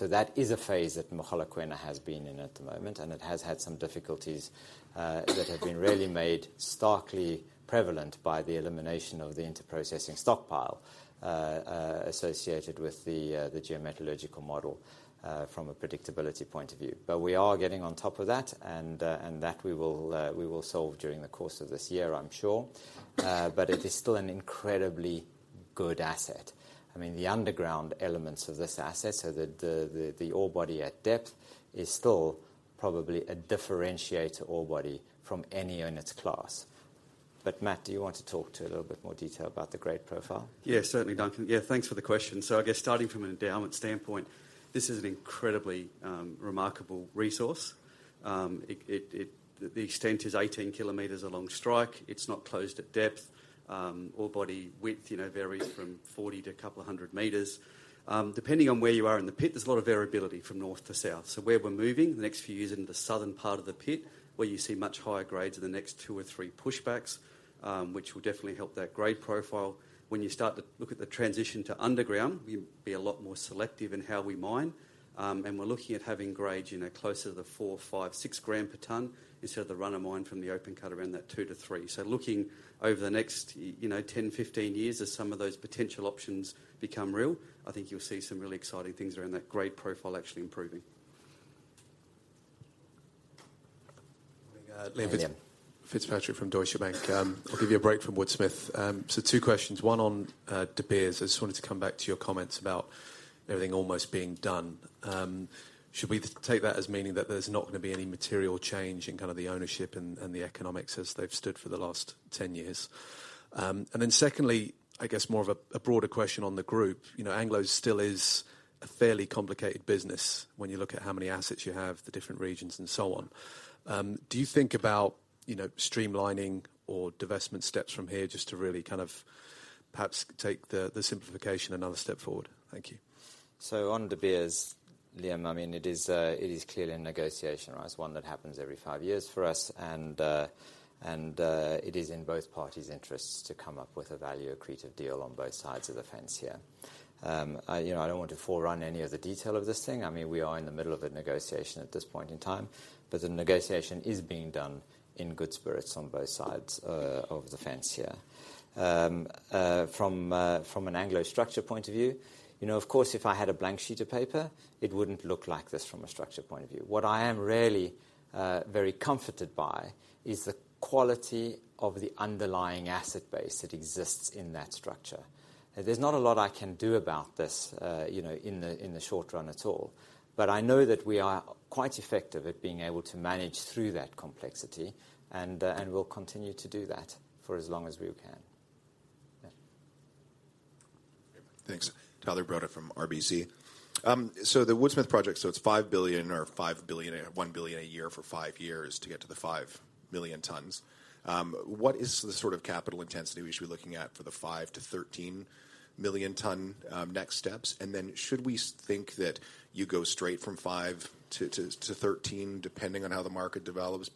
[SPEAKER 2] That is a phase that Mogalakwena has been in at the moment, and it has had some difficulties that have been really made starkly prevalent by the elimination of the interprocessing stockpile associated with the geometallurgical model from a predictability point of view. We are getting on top of that, and that we will solve during the course of this year, I'm sure. It is still an incredibly good asset. I mean, the underground elements of this asset, so the ore body at depth is still probably a differentiator ore body from any in its class. Matt, do you want to talk to a little bit more detail about the grade profile?
[SPEAKER 8] Certainly, Duncan. Thanks for the question. I guess starting from an endowment standpoint, this is an incredibly remarkable resource. The extent is 18 km along strike. It's not closed at depth. Ore body width, you know, varies from 40 to a couple of hundred meters. Depending on where you are in the pit, there's a lot of variability from north to south. Where we're moving the next few years into the southern part of the pit, where you see much higher grades in the next two or three pushbacks, which will definitely help that grade profile. When you start to look at the transition to underground, we'd be a lot more selective in how we mine. We're looking at having grades, you know, closer to the four, five, six grams per tonns instead of the run of mine from the open cut around that two to three. Looking over the next, you know, 10, 15 years as some of those potential options become real, I think you'll see some really exciting things around that grade profile actually improving.
[SPEAKER 2] Liam.
[SPEAKER 14] Liam Fitzpatrick from Deutsche Bank. I'll give you a break from Woodsmith. Two questions. One on De Beers. I just wanted to come back to your comments about everything almost being done. Should we take that as meaning that there's not gonna be any material change in kind of the ownership and the economics as they've stood for the last 10 years? Secondly, I guess more of a broader question on the group. You know, Anglo still is a fairly complicated business when you look at how many assets you have, the different regions and so on. Do you think about, you know, streamlining or divestment steps from here just to really kind of perhaps take the simplification another step forward? Thank you.
[SPEAKER 2] On De Beers, Liam, I mean, it is clearly a negotiation, right? It's one that happens every five years for us, and it is in both parties' interests to come up with a value accretive deal on both sides of the fence here. I, you know, I don't want to forerun any of the detail of this thing. I mean, we are in the middle of a negotiation at this point in time, but the negotiation is being done in good spirits on both sides of the fence here. From an Anglo structure point of view, you know, of course, if I had a blank sheet of paper, it wouldn't look like this from a structure point of view. What I am really very comforted by is the quality of the underlying asset base that exists in that structure. There's not a lot I can do about this, you know, in the, in the short run at all. I know that we are quite effective at being able to manage through that complexity, and we'll continue to do that for as long as we can. Yeah.
[SPEAKER 15] Thanks. Tyler Broda from RBC. The Woodsmith project, it's $5 billion or $5 billion, $1 billion a year for 5 years to get to the 5 million tons. What is the sort of capital intensity we should be looking at for the 5-13 million ton next steps? Should we think that you go straight from 5-13, depending on how the market develops?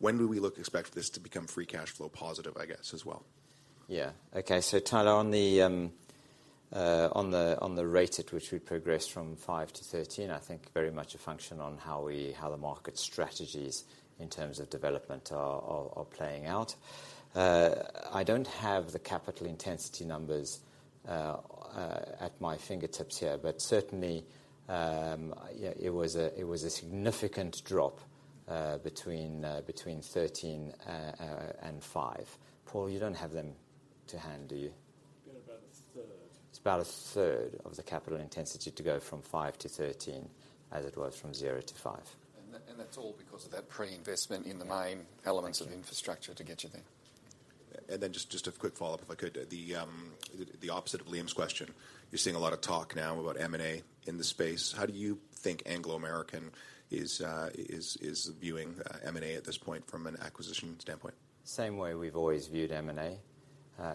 [SPEAKER 15] When do we expect this to become free cash flow positive, I guess, as well?
[SPEAKER 2] Yeah. Okay. Tyler Broda, on the rate at which we progress from 5-13, I think very much a function on how we, how the market strategies in terms of development are playing out. I don't have the capital intensity numbers at my fingertips here, but certainly, yeah, it was a significant drop, between 13 and 5. Paul Dunne, you don't have them to hand, do you?
[SPEAKER 8] About a third.
[SPEAKER 2] It's about a third of the capital intensity to go from 5-13, as it was from 0-5.
[SPEAKER 8] That's all because of that pre-investment in the main elements.
[SPEAKER 2] Thank you.
[SPEAKER 8] of infrastructure to get you there.
[SPEAKER 15] Just a quick follow-up, if I could? The opposite of Liam's question. You're seeing a lot of talk now about M&A in the space. How do you think Anglo American is viewing M&A at this point from an acquisition standpoint?
[SPEAKER 2] Same way we've always viewed M&A.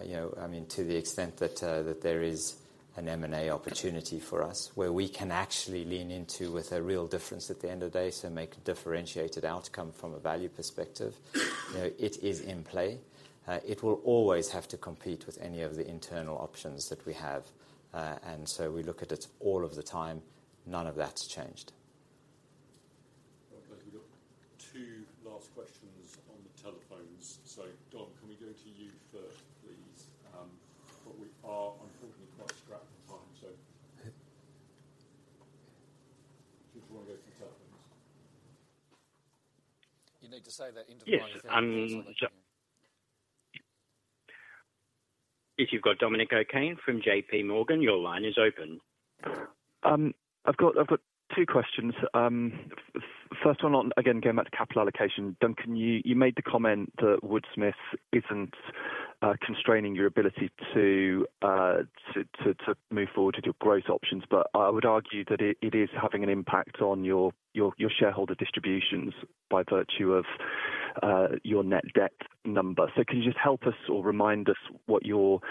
[SPEAKER 2] you know, I mean, to the extent that there is an M&A opportunity for us where we can actually lean into with a real difference at the end of the day, so make differentiated outcome from a value perspective, you know, it is in play. it will always have to compete with any of the internal options that we have. we look at it all of the time. None of that's changed.
[SPEAKER 4] Right. We've got two last questions on the telephones. Dom, can we go to you first, please? We are, unfortunately, quite strapped for time. Do you wanna go to the telephones?
[SPEAKER 8] You need to say that into the microphone.
[SPEAKER 16] If you've got Dominic O'Kane from JPMorgan, your line is open.
[SPEAKER 17] I've got two questions. First one on, again, going back to capital allocation. Duncan, you made the comment that Woodsmith isn't constraining your ability to move forward with your growth options. I would argue that it is having an impact on your shareholder distributions by virtue of your net debt number. Can you just help us or remind us what your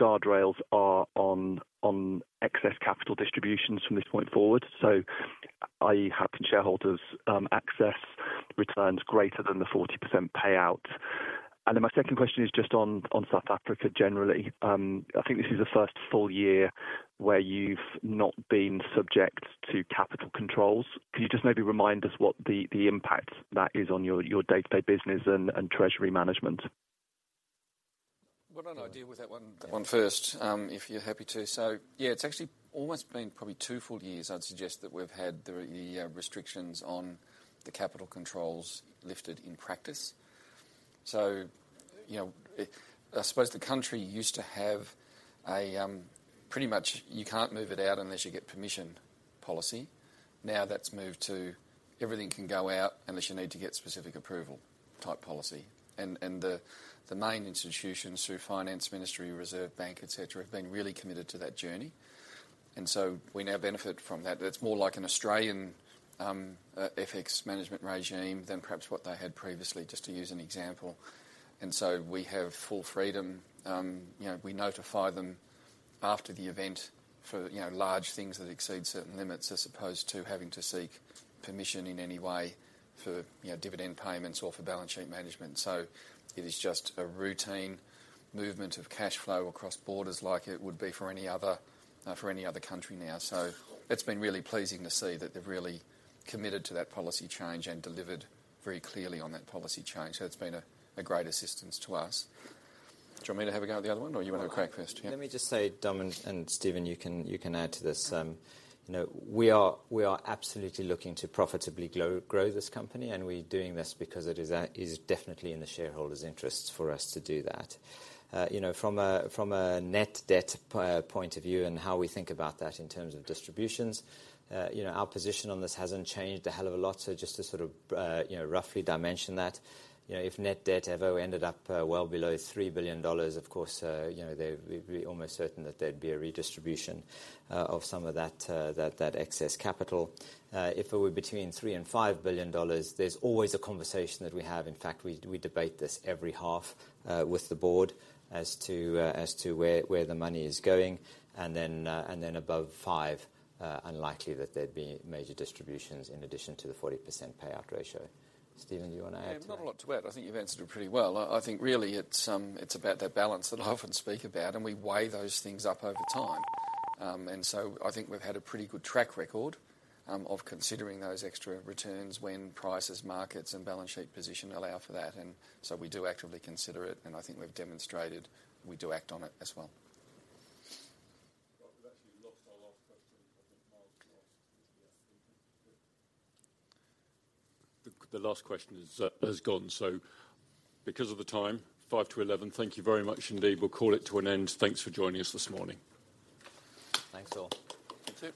[SPEAKER 17] guardrails are on excess capital distributions from this point forward? I.e., how can shareholders access returns greater than the 40% payout? My second question is just on South Africa generally. I think this is the first full year where you've not been subject to capital controls. Can you just maybe remind us what the impact that is on your day-to-day business and treasury management?
[SPEAKER 3] Why don't I deal with that one first, if you're happy to. Yeah, it's actually almost been probably two full years, I'd suggest, that we've had the restrictions on the capital controls lifted in practice. You know, I suppose the country used to have a pretty much you can't move it out unless you get permission policy. Now that's moved to everything can go out unless you need to get specific approval type policy. The main institutions through finance ministry, reserve bank, et cetera, have been really committed to that journey. We now benefit from that. That's more like an Australian FX management regime than perhaps what they had previously, just to use an example. We have full freedom. You know, we notify them after the event for, you know, large things that exceed certain limits, as opposed to having to seek permission in any way for, you know, dividend payments or for balance sheet management. It is just a routine movement of cash flow across borders like it would be for any other, for any other country now. It's been really pleasing to see that they've really committed to that policy change and delivered very clearly on that policy change. It's been a great assistance to us. Do you want me to have a go at the other one or you wanna crack first? Yeah.
[SPEAKER 2] Let me just say Dom, and Stephen, you can add to this. You know, we are absolutely looking to profitably grow this company, and we're doing this because it is definitely in the shareholders' interests for us to do that. You know, from a net debt per point of view and how we think about that in terms of distributions, you know, our position on this hasn't changed a hell of a lot. Just to sort of, you know, roughly dimension that. You know, if net debt ever ended up well below $3 billion, of course, you know, we'd be almost certain that there'd be a redistribution of some of that excess capital. If it were between $3 billion and $5 billion, there's always a conversation that we have. In fact, we debate this every half, with the board as to where the money is going. Above $5 billion, unlikely that there'd be major distributions in addition to the 40% payout ratio. Stephen, do you wanna add to that?
[SPEAKER 3] Yeah. Not a lot to add. I think you've answered it pretty well. I think really it's about that balance that I often speak about, and we weigh those things up over time. I think we've had a pretty good track record of considering those extra returns when prices, markets, and balance sheet position allow for that. We do actively consider it, and I think we've demonstrated we do act on it as well.
[SPEAKER 16] Well, we've actually lost our last question. I think Mark's last. The last question has gone. Because of the time, five to eleven, thank you very much indeed. We'll call it to an end. Thanks for joining us this morning.
[SPEAKER 2] Thanks all.
[SPEAKER 3] You too.